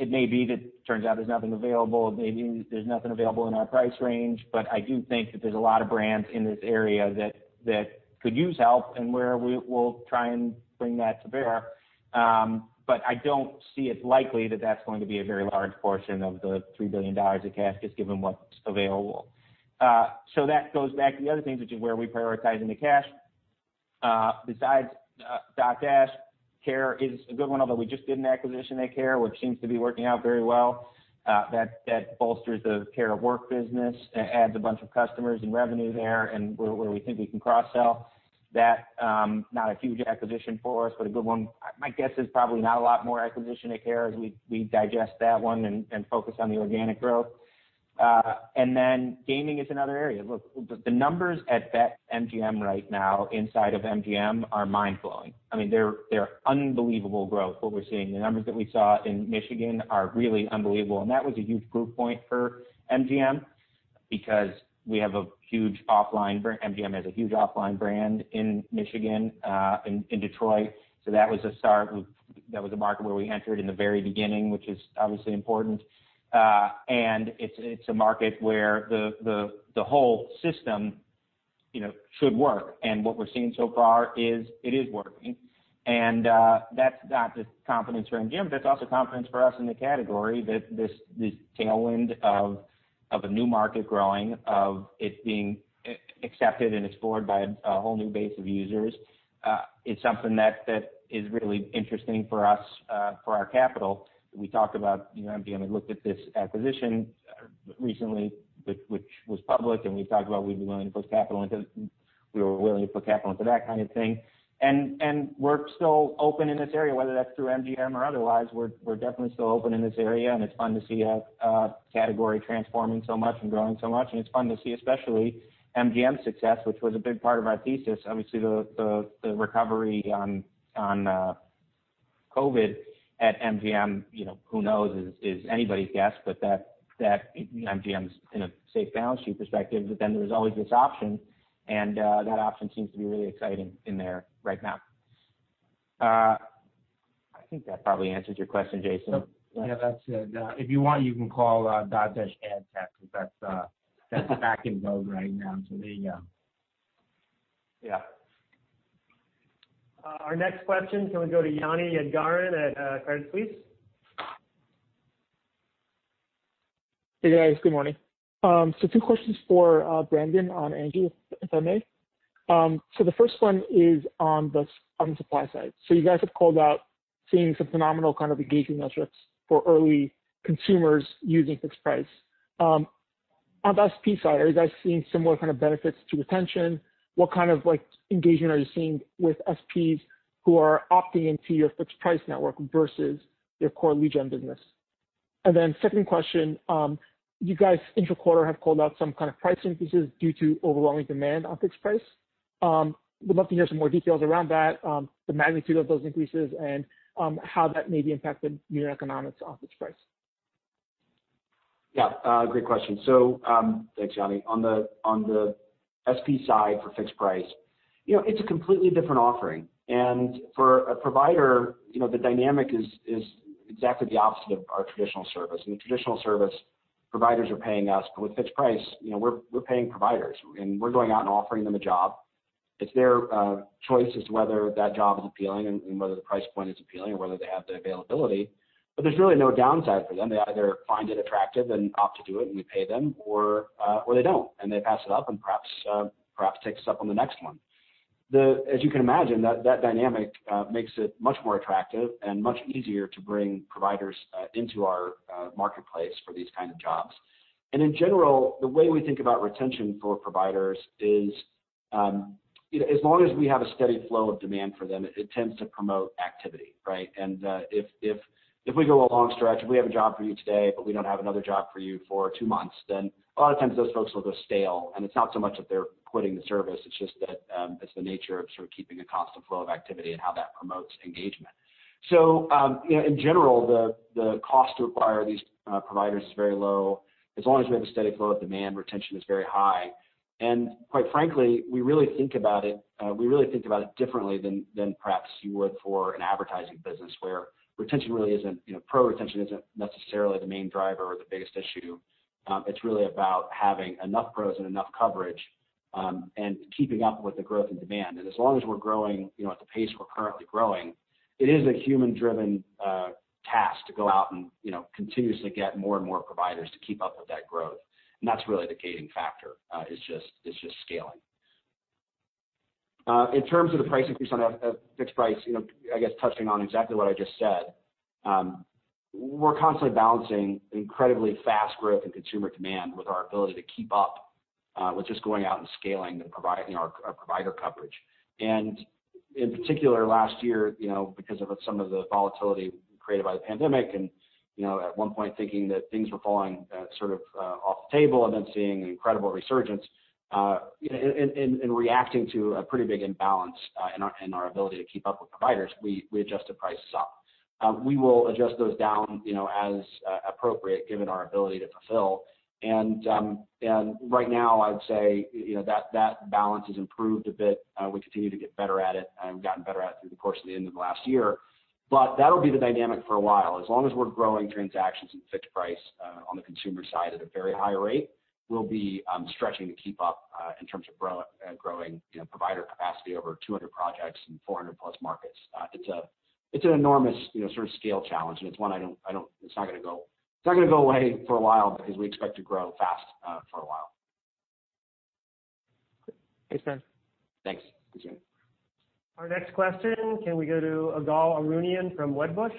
It may be that it turns out there's nothing available, maybe there's nothing available in our price range. I do think that there's a lot of brands in this area that could use help and where we will try and bring that to bear. I don't see it likely that that's going to be a very large portion of the $3 billion of cash, just given what's available. That goes back to the other things, which is where are we prioritizing the cash? Besides Dotdash, Care is a good one, although we just did an acquisition at Care, which seems to be working out very well. That bolsters the Care@Work business. It adds a bunch of customers and revenue there, and where we think we can cross-sell. That, not a huge acquisition for us, but a good one. My guess is probably not a lot more acquisition at Care, as we digest that one and focus on the organic growth. Then gaming is another area. Look, the numbers at BetMGM right now inside of MGM are mind-blowing. They're unbelievable growth, what we're seeing. The numbers that we saw in Michigan are really unbelievable, and that was a huge proof point for MGM because we have a huge offline brand. MGM has a huge offline brand in Michigan, in Detroit. That was a start. That was a market where we entered in the very beginning, which is obviously important. It's a market where the whole system should work. What we're seeing so far is it is working. That's not just confidence for MGM, but it's also confidence for us in the category that this tailwind of a new market growing, of it being accepted and explored by a whole new base of users. It's something that is really interesting for us, for our capital. We talked about MGM had looked at this acquisition recently, which was public, and we've talked about we'd be willing to put capital into it. We were willing to put capital into that kind of thing. We're still open in this area, whether that's through MGM or otherwise. We're definitely still open in this area, and it's fun to see a category transforming so much and growing so much. It's fun to see, especially MGM's success, which was a big part of our thesis. Obviously, the recovery on COVID at MGM, who knows, is anybody's guess. MGM's in a safe balance sheet perspective. There's always this option, and that option seems to be really exciting in there right now. I think that probably answers your question, Jason. Yeah, that's it. If you want, you can call Dotdash ad tech, because that's the back in vogue right now. Yeah. Our next question, can we go to Yoni Yadgaran at Credit Suisse? Hey, guys. Good morning. Two questions for Brandon on ANGI, if I may. The first one is on the supply side. You guys have called out seeing some phenomenal kind of engagement metrics for early consumers using fixed-price. On the SP side, are you guys seeing similar kind of benefits to retention? What kind of engagement are you seeing with SPs who are opting into your fixed-price network versus your core lead gen business? Second question, you guys inter-quarter have called out some kind of price increases due to overwhelming demand on fixed-price. We'd love to hear some more details around that, the magnitude of those increases, and how that maybe impacted your economics on fixed-price. Yeah. Great question. Thanks, Yoni. On the SP side for fixed-price, it's a completely different offering. For a provider, the dynamic is exactly the opposite of our traditional service. In the traditional service, providers are paying us. With fixed-price, we're paying providers, and we're going out and offering them a job. It's their choice as to whether that job is appealing and whether the price point is appealing or whether they have the availability. There's really no downside for them. They either find it attractive and opt to do it and we pay them, or they don't, and they pass it up and perhaps take us up on the next one. As you can imagine, that dynamic makes it much more attractive and much easier to bring providers into our marketplace for these kind of jobs. In general, the way we think about retention for providers is as long as we have a steady flow of demand for them, it tends to promote activity, right? If we go a long stretch, if we have a job for you today, but we don't have another job for you for two months, then a lot of times those folks will go stale. It's not so much that they're quitting the service, it's just that it's the nature of sort of keeping a constant flow of activity and how that promotes engagement. In general, the cost to acquire these providers is very low. As long as we have a steady flow of demand, retention is very high. Quite frankly, we really think about it differently than perhaps you would for an advertising business, where pro retention isn't necessarily the main driver or the biggest issue. It's really about having enough pros and enough coverage and keeping up with the growth in demand. As long as we're growing at the pace we're currently growing, it is a human-driven task to go out and continuously get more and more providers to keep up with that growth. That's really the gating factor, is just scaling. In terms of the price increase on a fixed-price, I guess touching on exactly what I just said. We're constantly balancing incredibly fast growth and consumer demand with our ability to keep up with just going out and scaling and providing our provider coverage. And in particular, last year, because of some of the volatility created by the pandemic, and at one point thinking that things were falling sort of off the table and then seeing an incredible resurgence, and reacting to a pretty big imbalance in our ability to keep up with providers, we adjusted prices up. We will adjust those down as appropriate given our ability to fulfill. And right now, I'd say that balance has improved a bit. We continue to get better at it, and we've gotten better at it through the course of the end of last year. That'll be the dynamic for a while. As long as we're growing transactions and fixed-price on the consumer side at a very high rate, we'll be stretching to keep up in terms of growing provider capacity over 200 projects and 400+ markets. It's an enormous scale challenge, and it's not going to go away for a while because we expect to grow fast for a while. Thanks. Thanks. Appreciate it. Our next question, can we go to Ygal Arounian from Wedbush?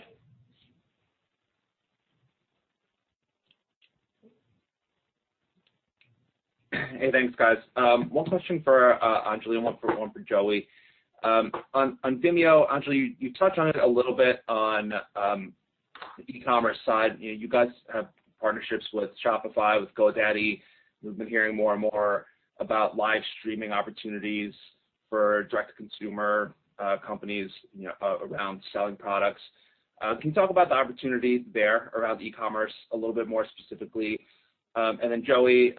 Hey, thanks, guys. One question for Anjali and one for Joey. On Vimeo, Anjali, you touched on it a little bit on the e-commerce side. You guys have partnerships with Shopify, with GoDaddy. We've been hearing more and more about live streaming opportunities for direct-to-consumer companies around selling products. Can you talk about the opportunities there around e-commerce a little bit more specifically? Joey,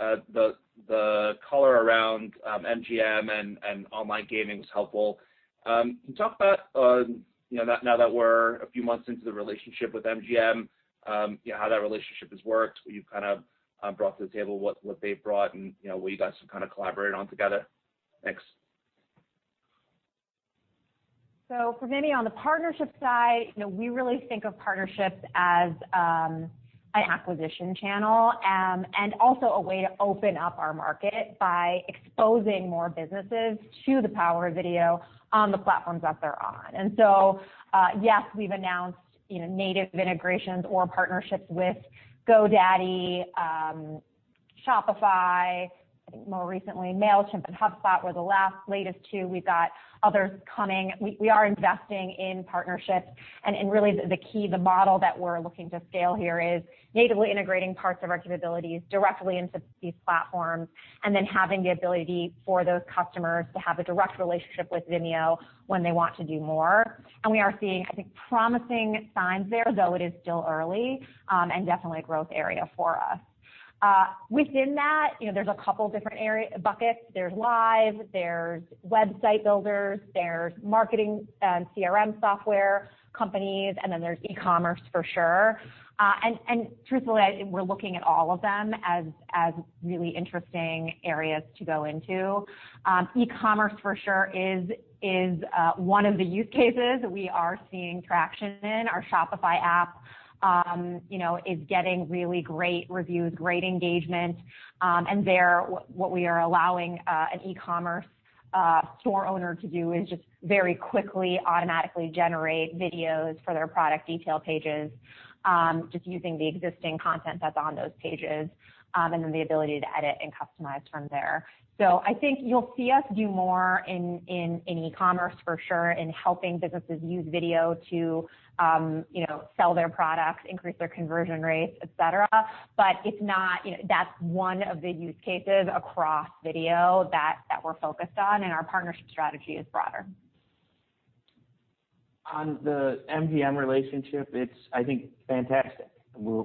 the color around MGM and online gaming was helpful. Can you talk about, now that we're a few months into the relationship with MGM, how that relationship has worked, what you've kind of brought to the table, what they've brought, and what you guys have kind of collaborated on together? Thanks. For me, on the partnership side, we really think of partnerships as an acquisition channel. Also a way to open up our market by exposing more businesses to the power of video on the platforms that they're on. Yes, we've announced native integrations or partnerships with GoDaddy, Shopify. I think more recently, Mailchimp and HubSpot were the last latest two. We've got others coming. We are investing in partnerships, and really the key, the model that we're looking to scale here is natively integrating parts of our capabilities directly into these platforms, and then having the ability for those customers to have a direct relationship with Vimeo when they want to do more. We are seeing, I think, promising signs there, though it is still early, and definitely a growth area for us. Within that, there's a couple different buckets. There's live, there's website builders, there's marketing and CRM software companies, and then there's e-commerce for sure. Truthfully, we're looking at all of them as really interesting areas to go into. E-commerce for sure is one of the use cases we are seeing traction in. Our Shopify app is getting really great reviews, great engagement. There, what we are allowing an e-commerce store owner to do is just very quickly, automatically generate videos for their product detail pages, just using the existing content that's on those pages. Then the ability to edit and customize from there. I think you'll see us do more in e-commerce for sure, in helping businesses use video to sell their products, increase their conversion rates, et cetera. That's one of the use cases across video that we're focused on, and our partnership strategy is broader. On the MGM relationship, it's, I think, fantastic. The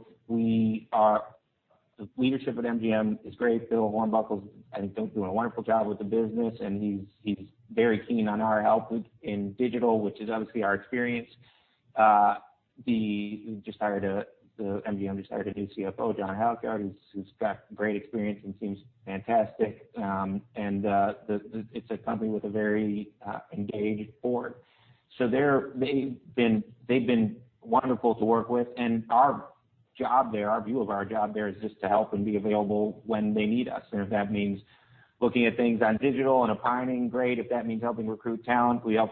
leadership at MGM is great. Bill Hornbuckle, I think, doing a wonderful job with the business, and he's very keen on our help in digital, which is obviously our experience. MGM just hired a new CFO, Jonathan Halkyard, who's got great experience and seems fantastic. It's a company with a very engaged board. They've been wonderful to work with. Our view of our job there is just to help and be available when they need us. If that means looking at things on digital and opining, great. If that means helping recruit talent, we help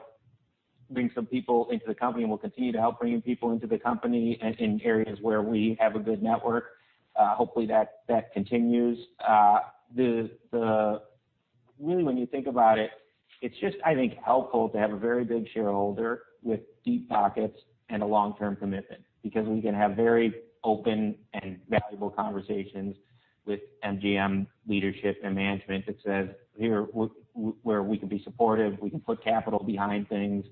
bring some people into the company and we'll continue to help bring in people into the company in areas where we have a good network. Hopefully, that continues. Really, when you think about it's just, I think, helpful to have a very big shareholder with deep pockets and a long-term commitment because we can have very open and valuable conversations with MGM leadership and management that says, "Here, where we can be supportive, we can put capital behind things.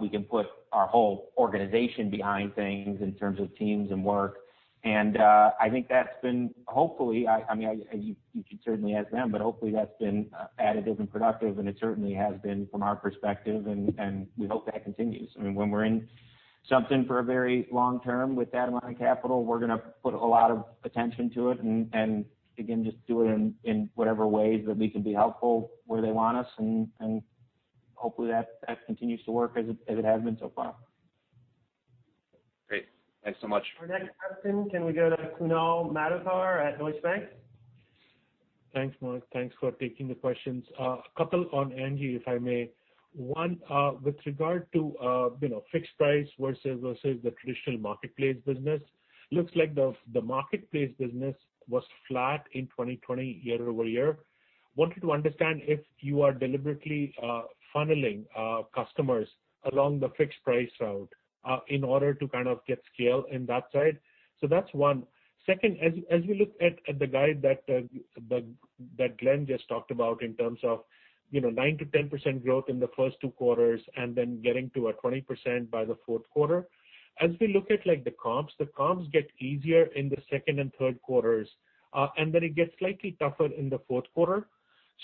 We can put our whole organization behind things in terms of teams and work." I think that's been hopefully, you should certainly ask them, but hopefully, that's been additive and productive, and it certainly has been from our perspective, and we hope that continues. When we're in something for a very long term with that amount of capital, we're going to put a lot of attention to it, and again, just do it in whatever ways that we can be helpful where they want us, and hopefully that continues to work as it has been so far. Great. Thanks so much. Our next question, can we go to Kunal Madhukar at Deutsche Bank? Thanks, Mark. Thanks for taking the questions. A couple on ANGI, if I may. One, with regard to fixed-price versus the traditional marketplace business. Looks like the marketplace business was flat in 2020 year-over-year. Wanted to understand if you are deliberately funneling customers along the fixed-price route in order to kind of get scale in that side. That's one. Second, as we look at the guide that Glenn just talked about in terms of 9%-10% growth in the first two quarters and then getting to a 20% by the fourth quarter. As we look at the comps, the comps get easier in the second and third quarters, and then it gets slightly tougher in the fourth quarter.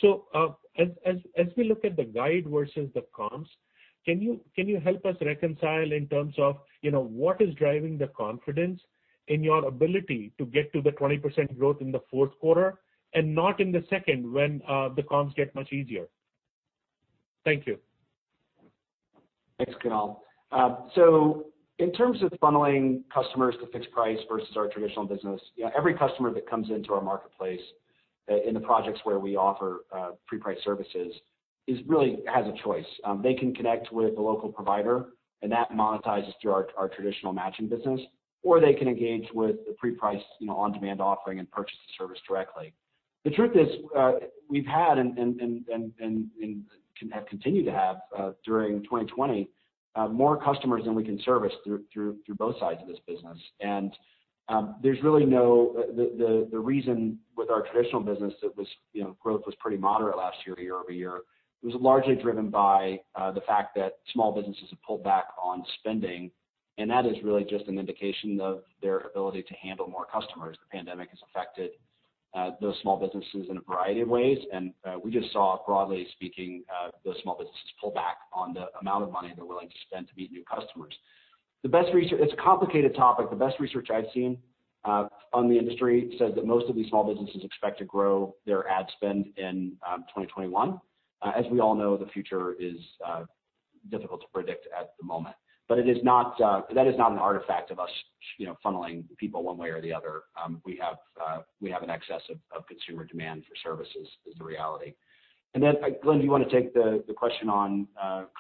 As we look at the guide versus the comps, can you help us reconcile in terms of what is driving the confidence in your ability to get to the 20% growth in the fourth quarter and not in the second when the comps get much easier? Thank you. Thanks, Kunal. In terms of funneling customers to fixed-price versus our traditional business, every customer that comes into our marketplace, in the projects where we offer pre-priced services, really has a choice. They can connect with a local provider, and that monetizes through our traditional matching business, or they can engage with the pre-priced on-demand offering and purchase the service directly. The truth is we've had and continue to have, during 2020, more customers than we can service through both sides of this business. The reason with our traditional business that growth was pretty moderate last year-over-year, was largely driven by the fact that small businesses have pulled back on spending, and that is really just an indication of their ability to handle more customers. The pandemic has affected those small businesses in a variety of ways, and we just saw, broadly speaking, those small businesses pull back on the amount of money they're willing to spend to meet new customers. It's a complicated topic. The best research I've seen on the industry says that most of these small businesses expect to grow their ad spend in 2021. As we all know, the future is difficult to predict at the moment. That is not an artifact of us funneling people one way or the other. We have an excess of consumer demand for services, is the reality. Then, Glenn, do you want to take the question on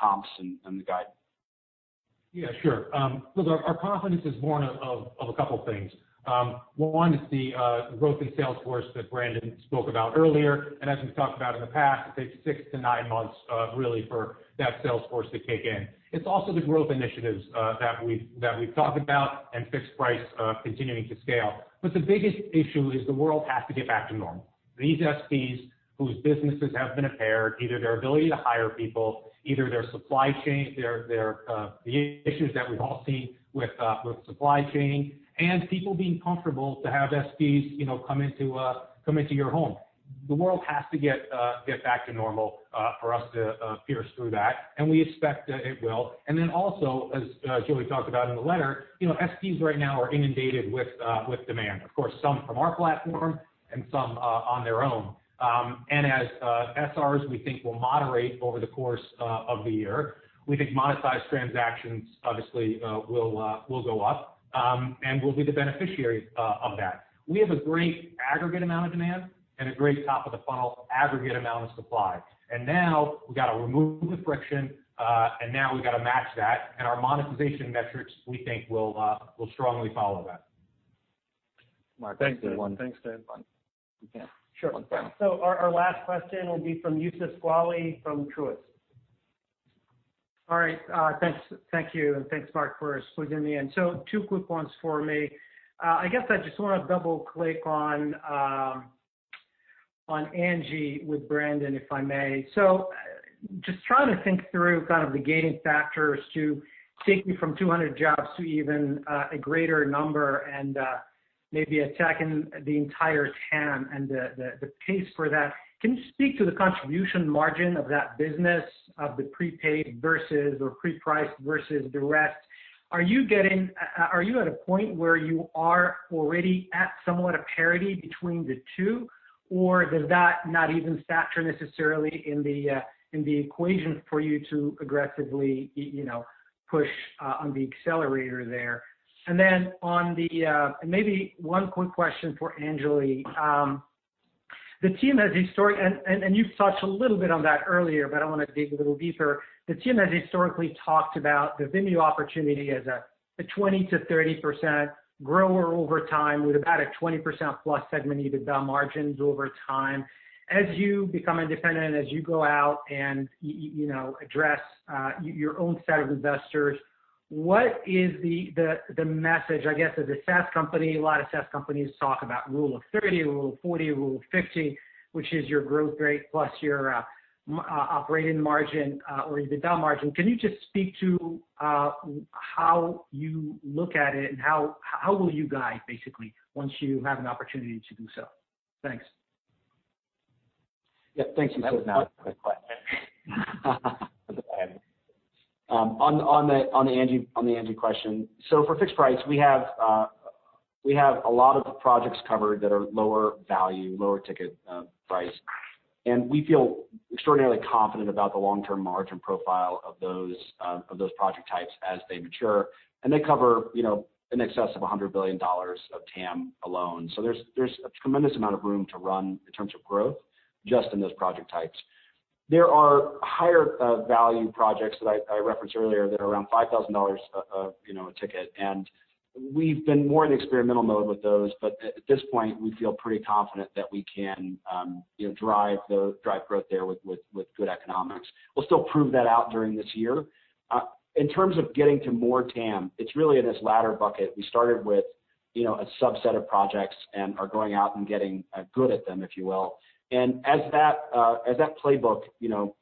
comps and the guide? Yeah, sure. Look, our confidence is born of a couple things. One is the growth in sales force that Brandon spoke about earlier. As we've talked about in the past, it takes six to nine months really for that sales force to kick in. It's also the growth initiatives that we've talked about and fixed-price continuing to scale. The biggest issue is the world has to get back to normal. These SPs whose businesses have been impaired, either their ability to hire people, either their supply chain, the issues that we've all seen with supply chain, and people being comfortable to have SPs come into your home. The world has to get back to normal for us to pierce through that, and we expect that it will. Also, as Joey talked about in the letter, SPs right now are inundated with demand. Of course, some from our platform and some on their own. As SRs we think will moderate over the course of the year, we think monetized transactions obviously will go up, and we'll be the beneficiary of that. We have a great aggregate amount of demand and a great top-of-the-funnel aggregate amount of supply. Now we got to remove the friction, now we got to match that, and our monetization metrics, we think, will strongly follow that. Thanks, Glenn. Sure. Our last question will be from Youssef Squali from Truist. All right. Thank you, and thanks, Mark, for squeezing me in. Two quick ones for me. I guess I just want to double click on ANGI with Brandon, if I may. Just trying to think through kind of the gating factors to take you from 200 jobs to even a greater number and maybe attacking the entire TAM and the pace for that. Can you speak to the contribution margin of that business of the prepaid versus, or pre-priced versus the rest? Are you at a point where you are already at somewhat a parity between the two, or does that not even factor necessarily in the equation for you to aggressively push on the accelerator there? Then maybe one quick question for Anjali. You touched a little bit on that earlier, but I want to dig a little deeper. The team has historically talked about the Vimeo opportunity as a 20%-30% grower over time with about a 20%+ segment EBITDA margins over time. As you become independent, as you go out and address your own set of investors, what is the message, I guess, as a SaaS company? A lot of SaaS companies talk about rule of 30, rule of 40, rule of 50, which is your growth rate plus your operating margin or EBITDA margin. Can you just speak to how you look at it, and how will you guide basically once you have an opportunity to do so? Thanks. Thanks, Youssef. That was a quick question. On the ANGI question, for fixed-price, we have a lot of projects covered that are lower value, lower ticket price, and we feel extraordinarily confident about the long-term margin profile of those project types as they mature. They cover in excess of $100 billion of TAM alone. There's a tremendous amount of room to run in terms of growth, just in those project types. There are higher value projects that I referenced earlier that are around $5,000 a ticket, and we've been more in experimental mode with those. At this point, we feel pretty confident that we can drive growth there with good economics. We'll still prove that out during this year. In terms of getting to more TAM, it's really in this latter bucket. We started with a subset of projects and are going out and getting good at them, if you will. As that playbook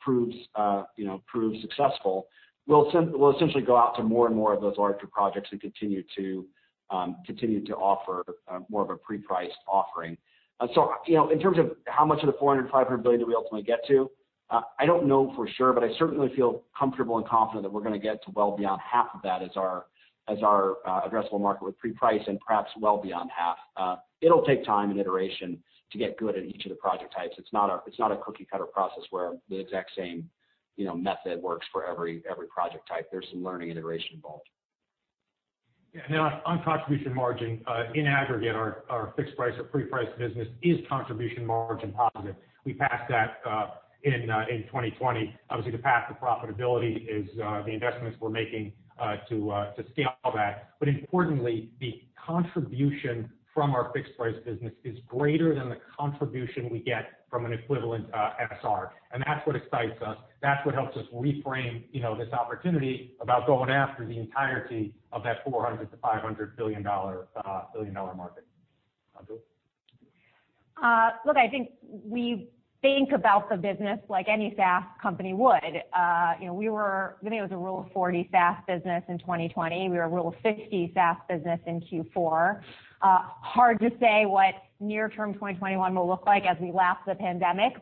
proves successful, we'll essentially go out to more and more of those larger projects and continue to offer more of a pre-priced offering. In terms of how much of the $400 billion-$500 billion do we ultimately get to? I don't know for sure, but I certainly feel comfortable and confident that we're going to get to well beyond half of that as our addressable market with pre-price and perhaps well beyond half. It'll take time and iteration to get good at each of the project types. It's not a cookie-cutter process where the exact same method works for every project type. There's some learning and iteration involved. Yeah, on contribution margin, in aggregate, our fixed-price or pre-priced business is contribution margin positive. We passed that in 2020. Obviously, the path to profitability is the investments we're making to scale that. Importantly, the contribution from our fixed-price business is greater than the contribution we get from an equivalent SR, and that's what excites us. That's what helps us reframe this opportunity about going after the entirety of that $400 billion-$500 billion market. Anjali? Look, I think we think about the business like any SaaS company would. We were, I think it was a rule of 40 SaaS business in 2020. We were a rule of 50 SaaS business in Q4. Hard to say what near term 2021 will look like as we lap the pandemic,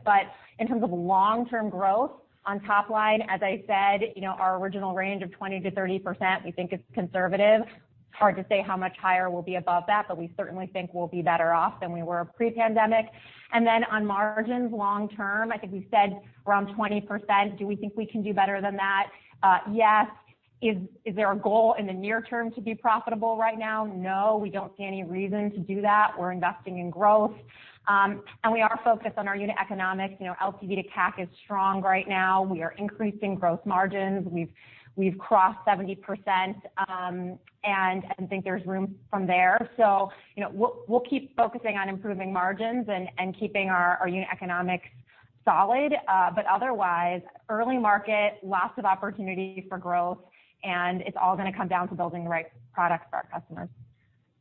in terms of long-term growth on top line, as I said, our original range of 20%-30%, we think is conservative. It's hard to say how much higher we'll be above that, we certainly think we'll be better off than we were pre-pandemic. On margins long term, I think we said around 20%. Do we think we can do better than that? Yes. Is there a goal in the near term to be profitable right now? No. We don't see any reason to do that. We're investing in growth. We are focused on our unit economics. LTV-to-CAC is strong right now. We are increasing growth margins. We've crossed 70%, and I think there's room from there. We'll keep focusing on improving margins and keeping our unit economics solid. Otherwise, early market, lots of opportunity for growth, and it's all going to come down to building the right products for our customers.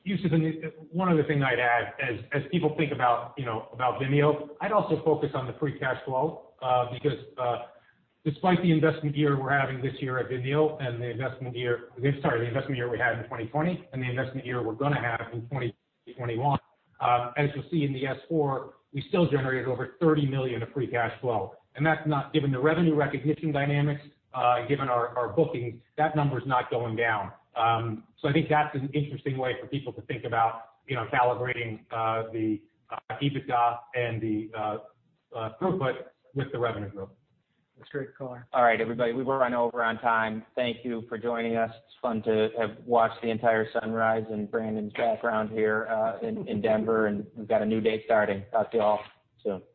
Youssef, one other thing I'd add as people think about Vimeo, I'd also focus on the free cash flow, because despite the investment year we had in 2020 and the investment year we're going to have in 2021, as you'll see in the S-4, we still generated over $30 million of free cash flow. Given the revenue recognition dynamics, given our bookings, that number's not going down. I think that's an interesting way for people to think about calibrating the EBITDA and the throughput with the revenue growth. That's great color. All right, everybody, we were running over on time. Thank you for joining us. It's fun to have watched the entire sunrise in Brandon's background here in Denver, and we've got a new day starting. Talk to you all soon. Bye.